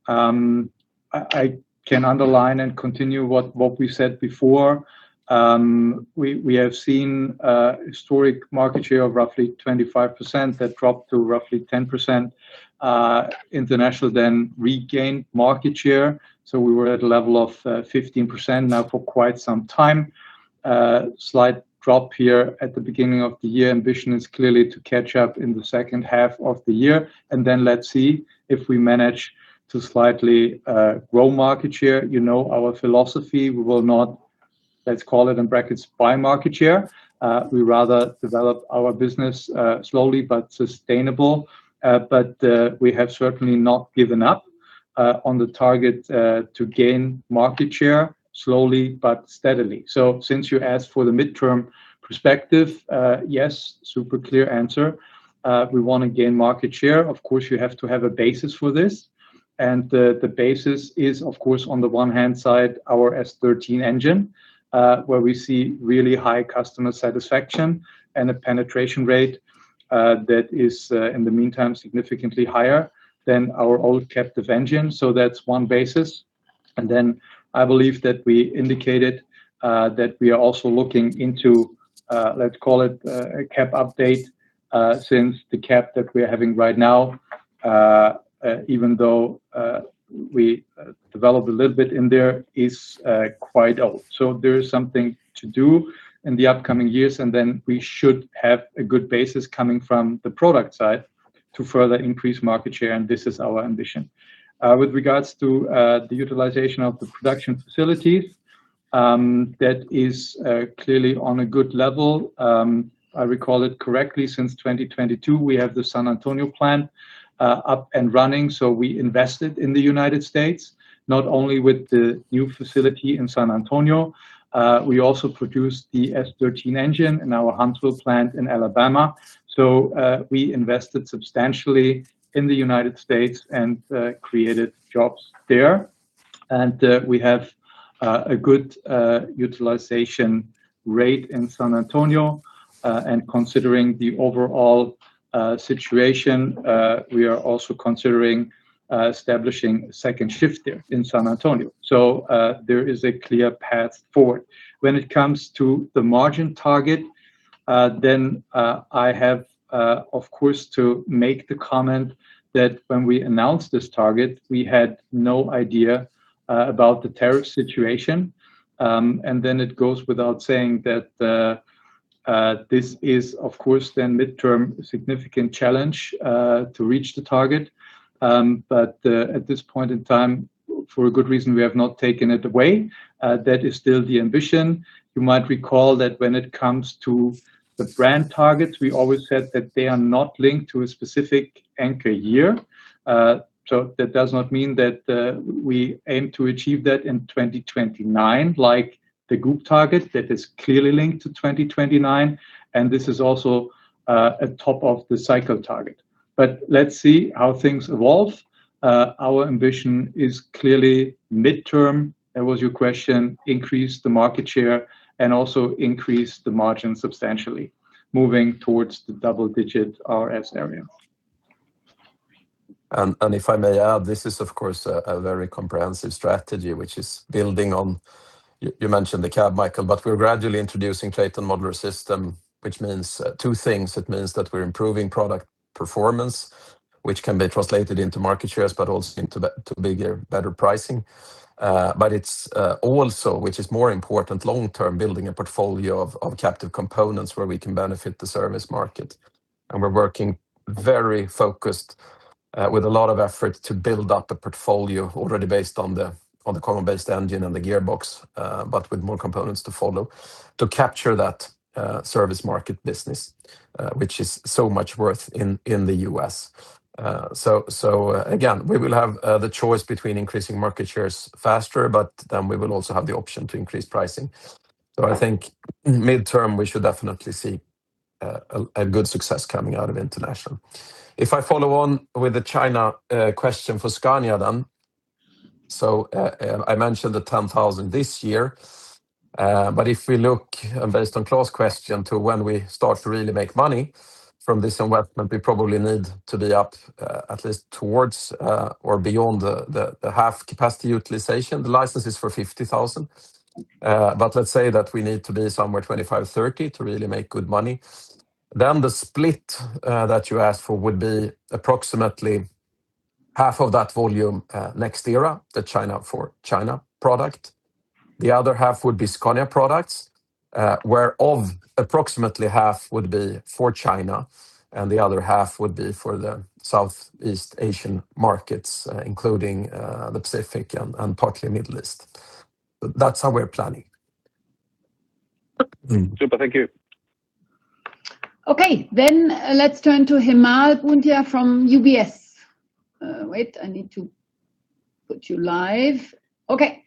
I can underline and continue what we said before. We have seen historic market share of roughly 25% that dropped to roughly 10%. International then regained market share. We were at a level of 15% now for quite some time. A slight drop here at the beginning of the year. Ambition is clearly to catch up in the H2 of the year, and then let's see if we manage to slightly grow market share. You know our philosophy, we will not Let's call it in brackets, buy market share. We rather develop our business slowly but sustainable, but we have certainly not given up on the target to gain market share slowly but steadily. Since you asked for the midterm perspective, yes, super clear answer. We want to gain market share. Of course, you have to have a basis for this. The basis is, of course, on the one-hand side, our S13 engine, where we see really high customer satisfaction and a penetration rate that is, in the meantime, significantly higher than our old captive engine. That's one basis. I believe that we indicated that we are also looking into, let's call it a cab update, since the cab that we are having right now, even though we developed a little bit in there, is quite old. There is something to do in the upcoming years, we should have a good basis coming from the product side to further increase market share, and this is our ambition. With regards to the utilization of the production facilities, that is clearly on a good level. I recall it correctly, since 2022, we have the San Antonio plant up and running, we invested in the United States, not only with the new facility in San Antonio, we also produced the S13 engine in our Huntsville plant in Alabama. We invested substantially in the United States and created jobs there. We have a good utilization rate in San Antonio. Considering the overall situation, we are also considering establishing a second shift there in San Antonio. There is a clear path forward. When it comes to the margin target, I have, of course, to make the comment that when we announced this target, we had no idea about the tariff situation. It goes without saying that this is, of course, then midterm significant challenge to reach the target. At this point in time, for a good reason, we have not taken it away. That is still the ambition. You might recall that when it comes to the brand targets, we always said that they are not linked to a specific anchor year. That does not mean that we aim to achieve that in 2029, like the group target that is clearly linked to 2029, and this is also a top-of-the-cycle target. Let's see how things evolve. Our ambition is clearly midterm, that was your question, increase the market share, and also increase the margin substantially, moving towards the double-digit RS area. If I may add, this is, of course, a very comprehensive strategy, which is building on, you mentioned the cab, Michael, we're gradually introducing TRATON Modular System, which means two things. It means that we're improving product performance, which can be translated into market shares, but also into bigger, better pricing. It's also, which is more important long-term, building a portfolio of captive components where we can benefit the service market. We're working very focused with a lot of effort to build up the portfolio already based on the Common Base Engine and the gearbox, but with more components to follow to capture that service market business, which is so much worth in the U.S. Again, we will have the choice between increasing market shares faster, but then we will also have the option to increase pricing. I think midterm, we should definitely see a good success coming out of International. If I follow on with the China question for Scania. I mentioned the 10,000 this year, but if we look based on Klas question to when we start to really make money from this investment, we probably need to be up at least towards or beyond the half capacity utilization. The license is for 50,000. Let's say that we need to be somewhere 25, 30 to really make good money. The split that you asked for would be approximately half of that volume NEXT ERA, the China for China product. The other half would be Scania products, where of approximately half would be for China, and the other half would be for the Southeast Asian markets, including the Pacific and partly Middle East. That's how we're planning. Super. Thank you. Okay. Let's turn to Hemal Bhundia from UBS. Wait, I need to put you live. Okay.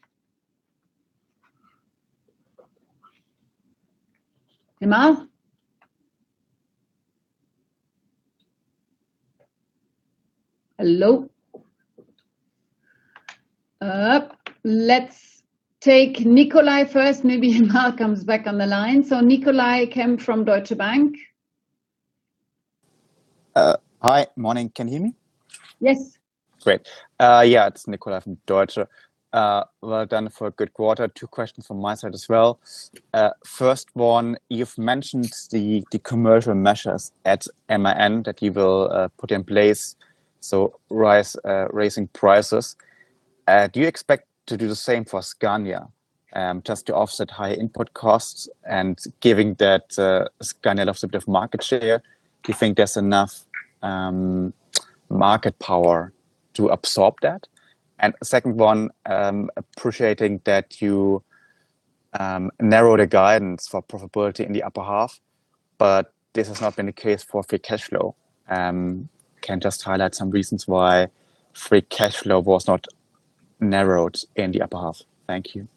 Hemal? Hello? Let's take Nicolai first. Maybe Hemal comes back on the line. Nicolai Kempf from Deutsche Bank. Hi. Morning. Can you hear me? Yes. Great. Yeah, it's Nicolai from Deutsche. Well done for a good quarter. Two questions from my side as well. First one, you've mentioned the commercial measures at MAN that you will put in place, so raising prices. Do you expect to do the same for Scania, just to offset high input costs and giving that Scania lots of different market share? Do you think that's enough market power to absorb that? Second one, appreciating that you narrowed a guidance for profitability in the upper half, but this has not been the case for free cash flow. Can you just highlight some reasons why free cash flow was not narrowed in the upper half? Thank you.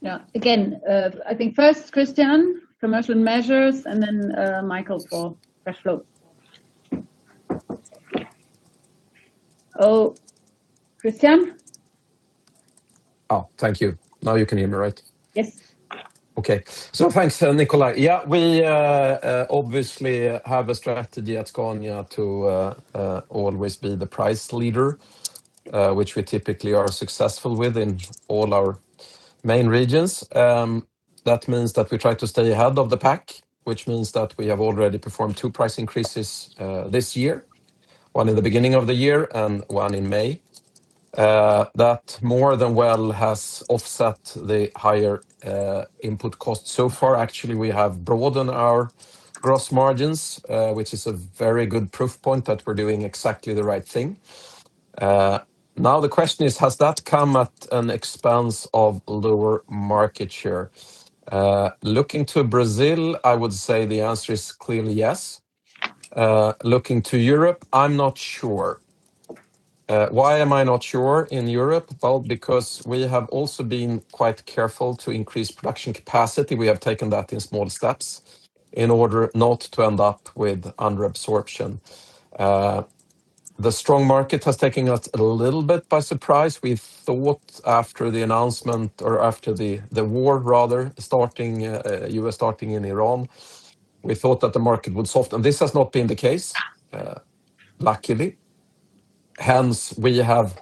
Yeah. Again, I think first Christian, commercial measures, and then Michael for cash flow. Oh, Christian? Oh, thank you. Now you can hear me, right? Yes. Okay. Thanks, Nicolai. Yeah, we obviously have a strategy at Scania to always be the price leader, which we typically are successful with in all our main regions. That means that we try to stay ahead of the pack, which means that we have already performed two price increases this year, one in the beginning of the year and one in May. That more than well has offset the higher input costs so far. Actually, we have broadened our gross margins, which is a very good proof point that we're doing exactly the right thing. Now the question is, has that come at an expense of lower market share? Looking to Brazil, I would say the answer is clearly yes. Looking to Europe, I'm not sure. Why am I not sure in Europe? Well, because we have also been quite careful to increase production capacity. We have taken that in small steps in order not to end up with under absorption. The strong market has taken us a little bit by surprise. We thought after the announcement or after the war, rather, war starting in Iran, we thought that the market would soften, and this has not been the case, luckily. Hence, we have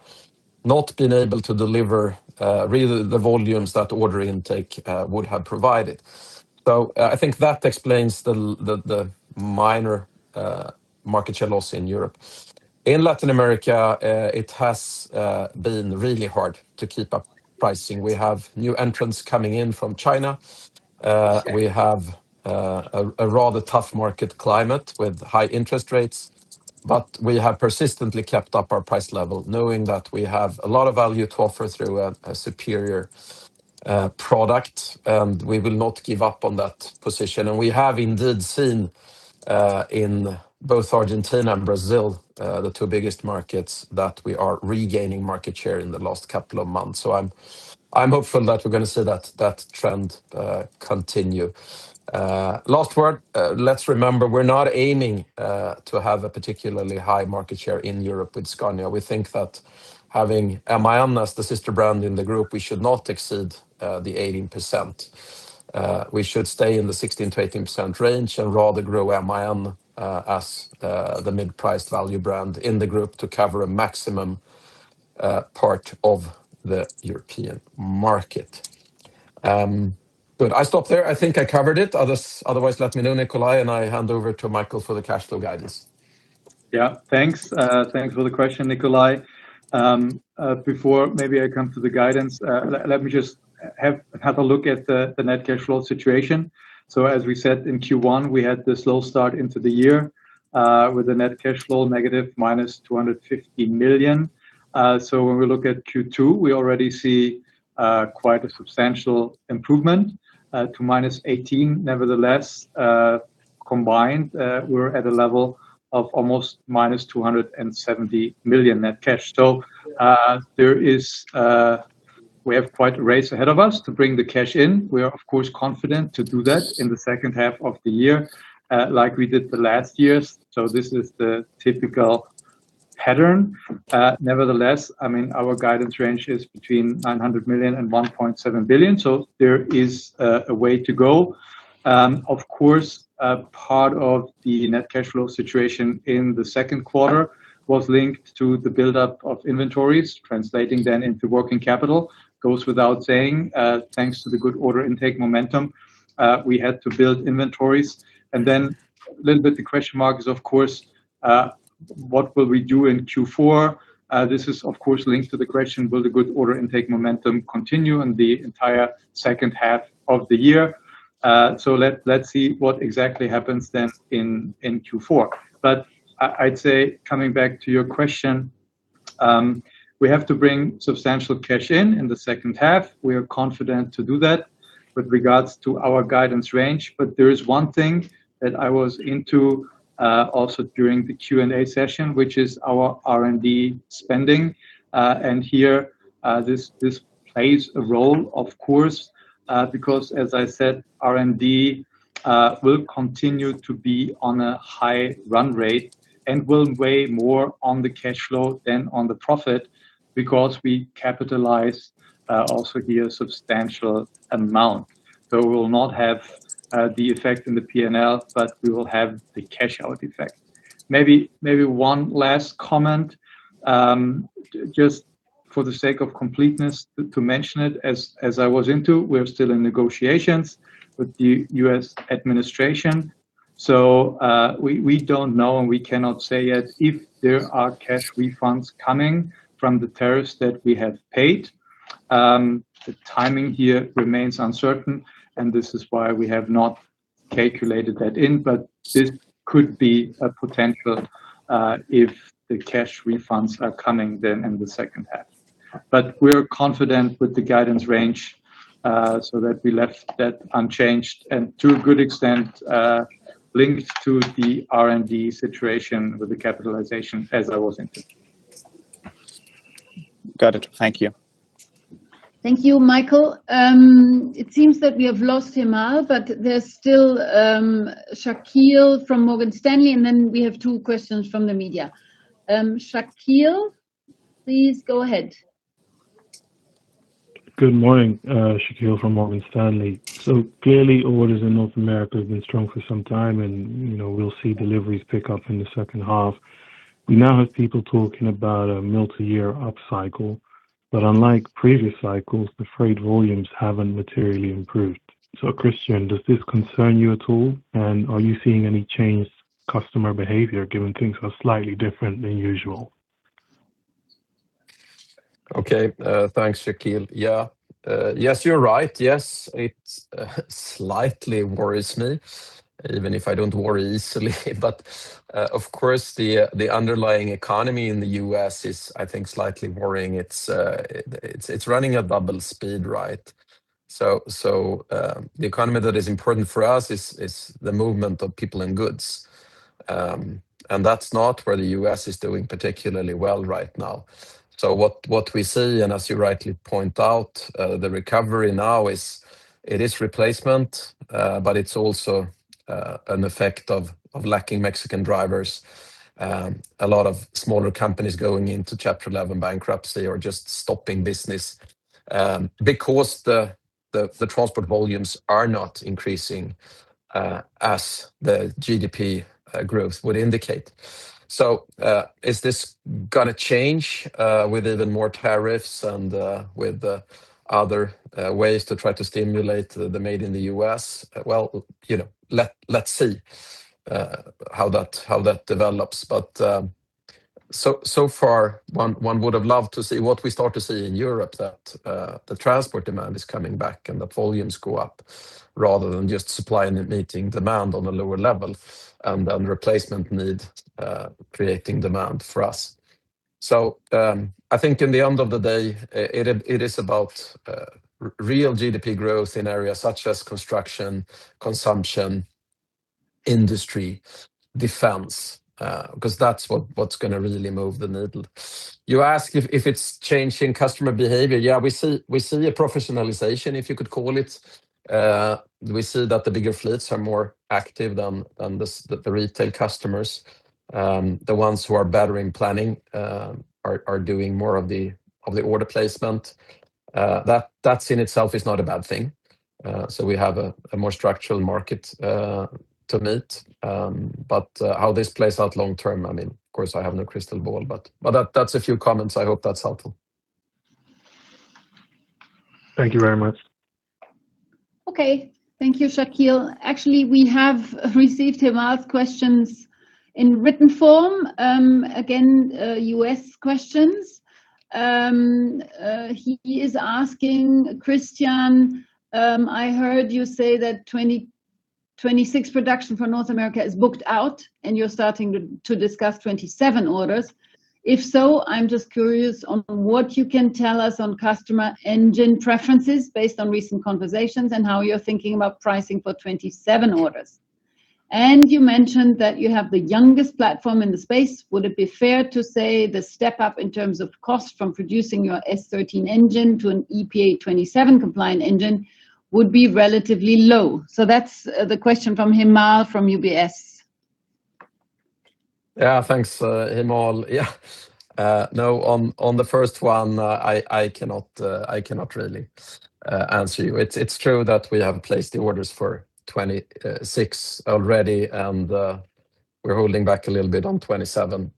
not been able to deliver really the volumes that order intake would have provided. I think that explains the minor market share loss in Europe. In Latin America, it has been really hard to keep up pricing. We have new entrants coming in from China. We have a rather tough market climate with high interest rates, we have persistently kept up our price level, knowing that we have a lot of value to offer through a superior product, and we will not give up on that position. We have indeed seen, in both Argentina and Brazil, the two biggest markets, that we are regaining market share in the last couple of months. I'm hopeful that we're going to see that trend continue. Last word, let's remember, we're not aiming to have a particularly high market share in Europe with Scania. We think that having MAN as the sister brand in the group, we should not exceed the 18%. We should stay in the 16%-18% range and rather grow MAN as the mid-priced value brand in the group to cover a maximum part of the European market. Good. I stop there. I think I covered it. Otherwise, let me know, Nicolai, I hand over to Michael for the cash flow guidance. Thanks. Thanks for the question, Nikolai. Before maybe I come to the guidance, let me just have a look at the net cash flow situation. As we said in Q1, we had this slow start into the year, with a net cash flow negative -250 million. When we look at Q2, we already see quite a substantial improvement to -18 million, nevertheless. Combined, we're at a level of almost -270 million net cash. We have quite a race ahead of us to bring the cash in. We are, of course, confident to do that in the H2 of the year, like we did the last years. This is the typical pattern. Nevertheless, our guidance range is between 900 million and 1.7 billion, there is a way to go. Of course, part of the net cash flow situation in the Q2 was linked to the buildup of inventories, translating then into working capital. It goes without saying, thanks to the good order intake momentum, we had to build inventories. A little bit the question mark is, of course, what will we do in Q4? This is, of course, linked to the question, will the good order intake momentum continue in the entire H2 of the year? Let's see what exactly happens then in Q4. I'd say, coming back to your question, we have to bring substantial cash in in the H2. We are confident to do that with regards to our guidance range. There is one thing that I was into also during the Q&A session, which is our R&D spending. Here, this plays a role, of course. As I said, R&D will continue to be on a high run rate and will weigh more on the cash flow than on the profit, because we capitalize also here a substantial amount. We will not have the effect in the P&L, but we will have the cash-out effect. Maybe one last comment, just for the sake of completeness to mention it, as I was into, We're still in negotiations with the U.S. administration, we don't know and we cannot say yet if there are cash refunds coming from the tariffs that we have paid. The timing here remains uncertain, this is why we have not calculated that in, this could be a potential if the cash refunds are coming then in the H2. We're confident with the guidance range, that we left that unchanged to a good extent, linked to the R&D situation with the capitalization as I was in touch. Got it. Thank you. Thank you, Michael. It seems that we have lost Hemal, but there's still Shaqeal from Morgan Stanley, and then we have two questions from the media. Shaqeal, please go ahead. Good morning. Shaqeal from Morgan Stanley. Clearly orders in North America have been strong for some time, and we'll see deliveries pick up in the H2. We now have people talking about a multi-year upcycle, but unlike previous cycles, the freight volumes haven't materially improved. Christian, does this concern you at all, and are you seeing any changed customer behavior, given things are slightly different than usual? Okay, thanks, Shaqeal. Yeah. Yes, you're right. Yes, it slightly worries me, even if I don't worry easily. Of course, the underlying economy in the U.S. is, I think, slightly worrying. It's running at double speed, right? The economy that is important for us is the movement of people and goods, and that's not where the U.S. is doing particularly well right now. What we see, and as you rightly point out, the recovery now is, it is replacement, but it's also an effect of lacking Mexican drivers. A lot of smaller companies going into Chapter 11 bankruptcy or just stopping business, because the transport volumes are not increasing as the GDP growth would indicate. Is this going to change, with even more tariffs and with other ways to try to stimulate the Made in the U.S.? Let see how that develops. So far, one would've loved to see what we start to see in Europe, that the transport demand is coming back and the volumes go up rather than just supply and meeting demand on a lower level, and then replacement need creating demand for us. I think in the end of the day, it is about real GDP growth in areas such as construction, consumption, industry, defense, because that's what's going to really move the needle. You ask if it's changing customer behavior. We see a professionalization, if you could call it. We see that the bigger fleets are more active than the retail customers. The ones who are better in planning, are doing more of the order placement. That in itself is not a bad thing. We have a more structural market to meet. How this plays out long term, of course, I have no crystal ball, that's a few comments. I hope that's helpful. Thank you very much. Thank you, Shaqeal. We have received Hemal's questions in written form. Again, U.S. questions. He is asking Christian, "I heard you say that 2026 production for North America is booked out, and you're starting to discuss 2027 orders. If so, I'm just curious on what you can tell us on customer engine preferences based on recent conversations, and how you're thinking about pricing for 2027 orders. You mentioned that you have the youngest platform in the space. Would it be fair to say the step up in terms of cost from producing your S13 engine to an EPA 2027 compliant engine would be relatively low?" That's the question from Hemal, from UBS. Thanks, Hemal. On the first one, I cannot really answer you. It is true that we have placed the orders for 2026 already, and we are holding back a little bit on 2027.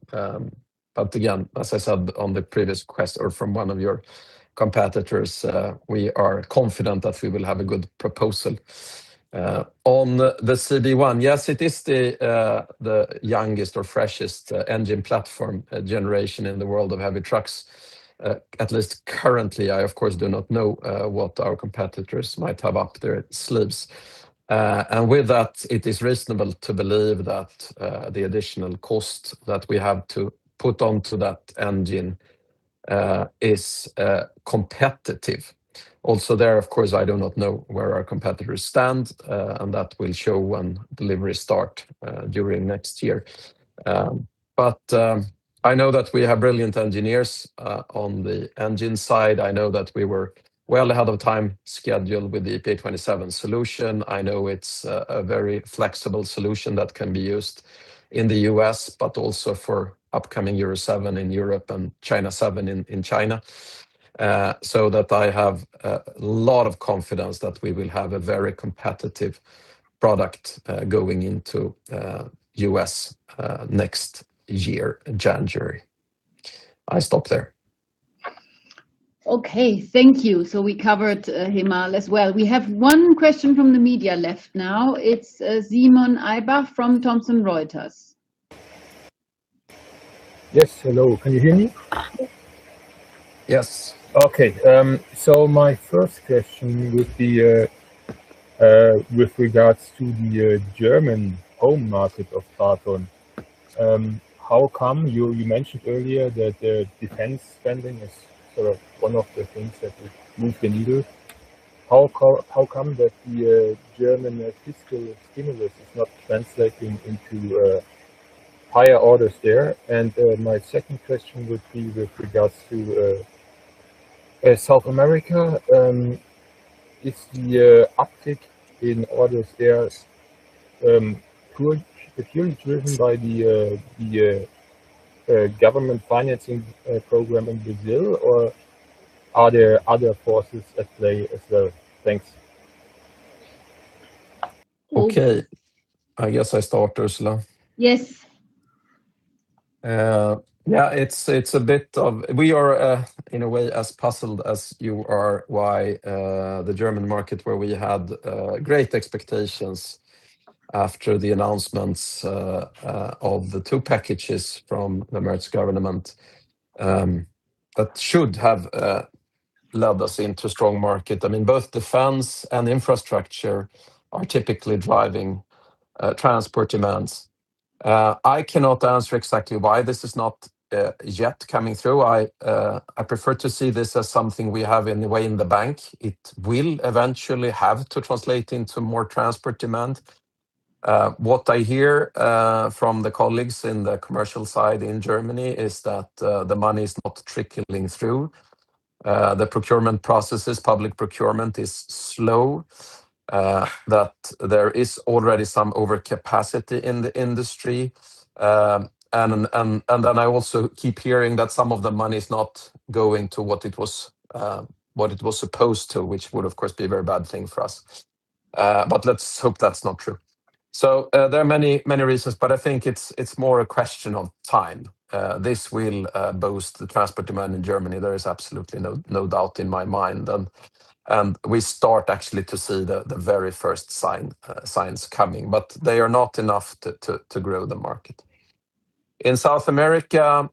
Again, as I said on the previous question or from one of your competitors, we are confident that we will have a good proposal. On the CBE one, yes, it is the youngest or freshest engine platform generation in the world of heavy trucks, at least currently. I of course do not know what our competitors might have up their sleeves. With that, it is reasonable to believe that the additional cost that we have to put onto that engine is competitive. There, of course, I do not know where our competitors stand, and that will show when deliveries start during next year. I know that we have brilliant engineers on the engine side. I know that we were well ahead of time scheduled with the EPA 2027 solution. I know it is a very flexible solution that can be used in the U.S., but also for upcoming Euro 7 in Europe and China 7 in China. I have a lot of confidence that we will have a very competitive product going into U.S. next year, January. I stop there. Okay. Thank you. We covered Hemal as well. We have one question from the media left now. It is Simon Eibach from Thomson Reuters. Yes. Hello. Can you hear me? Yes. My first question would be with regards to the German home market of TRATON. You mentioned earlier that their defense spending is one of the things that would move the needle. How come that the German fiscal stimulus is not translating into higher orders there? My second question would be with regards to South America. Is the uptick in orders there purely driven by the government financing program in Brazil, or are there other forces at play as well? Thanks. Okay. I guess I start, Ursula. Yes. We are, in a way, as puzzled as you are why the German market, where we had great expectations after the announcements of the two packages from the German government, that should have led us into a strong market. Both defense and infrastructure are typically driving transport demands. I cannot answer exactly why this is not yet coming through. I prefer to see this as something we have, in a way, in the bank. It will eventually have to translate into more transport demand. What I hear from the colleagues in the commercial side in Germany is that the money is not trickling through, the procurement processes, public procurement is slow, that there is already some overcapacity in the industry. I also keep hearing that some of the money is not going to what it was supposed to, which would, of course, be a very bad thing for us. Let's hope that's not true. There are many reasons, but I think it's more a question of time. This will boost the transport demand in Germany. There is absolutely no doubt in my mind. We start, actually, to see the very first signs coming, but they are not enough to grow the market. In South America,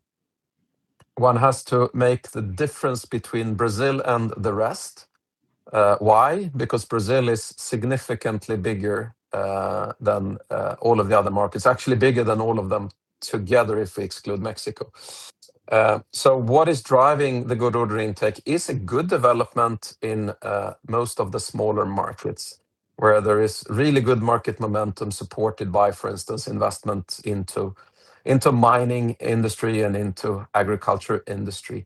one has to make the difference between Brazil and the rest. Why? Because Brazil is significantly bigger than all of the other markets, actually bigger than all of them together if we exclude Mexico. What is driving the good order intake is a good development in most of the smaller markets, where there is really good market momentum supported by, for instance, investment into mining industry and into agriculture industry.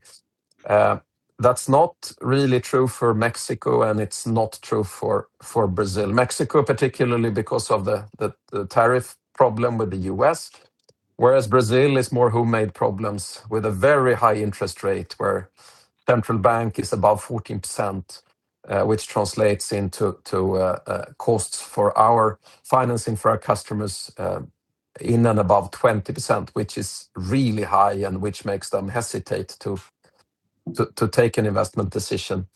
That's not really true for Mexico. It's not true for Brazil. Mexico, particularly because of the tariff problem with the U.S., whereas Brazil is more homemade problems with a very high interest rate where central bank is above 14%, which translates into costs for our financing for our customers in and above 20%, which is really high and which makes them hesitate to take an investment decision.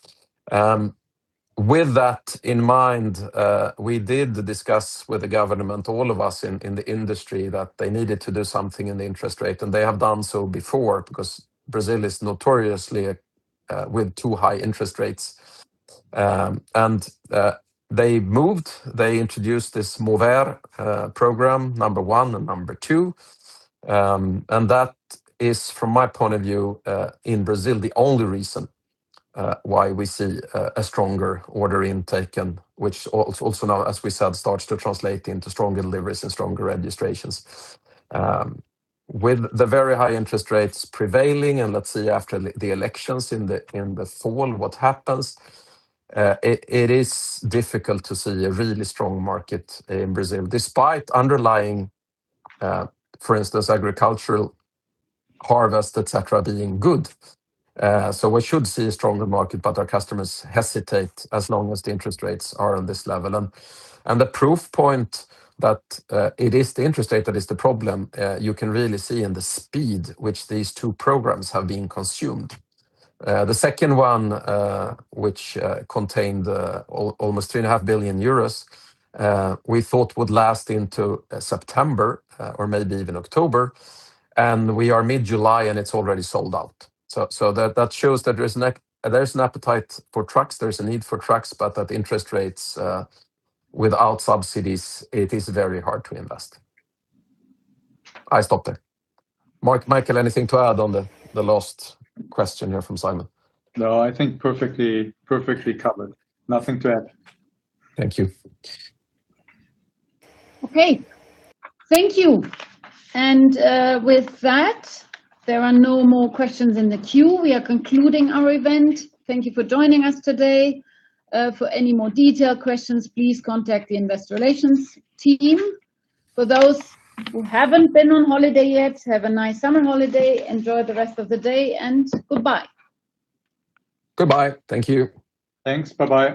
With that in mind, we did discuss with the government, all of us in the industry, that they needed to do something in the interest rate. They have done so before because Brazil is notoriously with too high interest rates. They moved, they introduced this Move Program, number 1 and number 2. That is, from my point of view, in Brazil, the only reason why we see a stronger order intake, which also now, as we said, starts to translate into strong deliveries and stronger registrations. With the very high interest rates prevailing, let's see after the elections in the fall what happens, it is difficult to see a really strong market in Brazil, despite underlying, for instance, agricultural harvest, et cetera, being good. We should see a stronger market. Our customers hesitate as long as the interest rates are on this level. The proof point that it is the interest rate that is the problem, you can really see in the speed which these two programs have been consumed. The second one, which contained almost 3.5 billion euros, we thought would last into September, or maybe even October. We are mid-July, and it's already sold out. That shows that there's an appetite for trucks, there's a need for trucks. At interest rates without subsidies, it is very hard to invest. I stop there. Michael, anything to add on the last question here from Simon? No, I think perfectly covered. Nothing to add. Thank you. Okay. Thank you. With that, there are no more questions in the queue. We are concluding our event. Thank you for joining us today. For any more detailed questions, please contact the investor relations team. For those who haven't been on holiday yet, have a nice summer holiday. Enjoy the rest of the day, and goodbye. Goodbye. Thank you. Thanks. Bye-bye.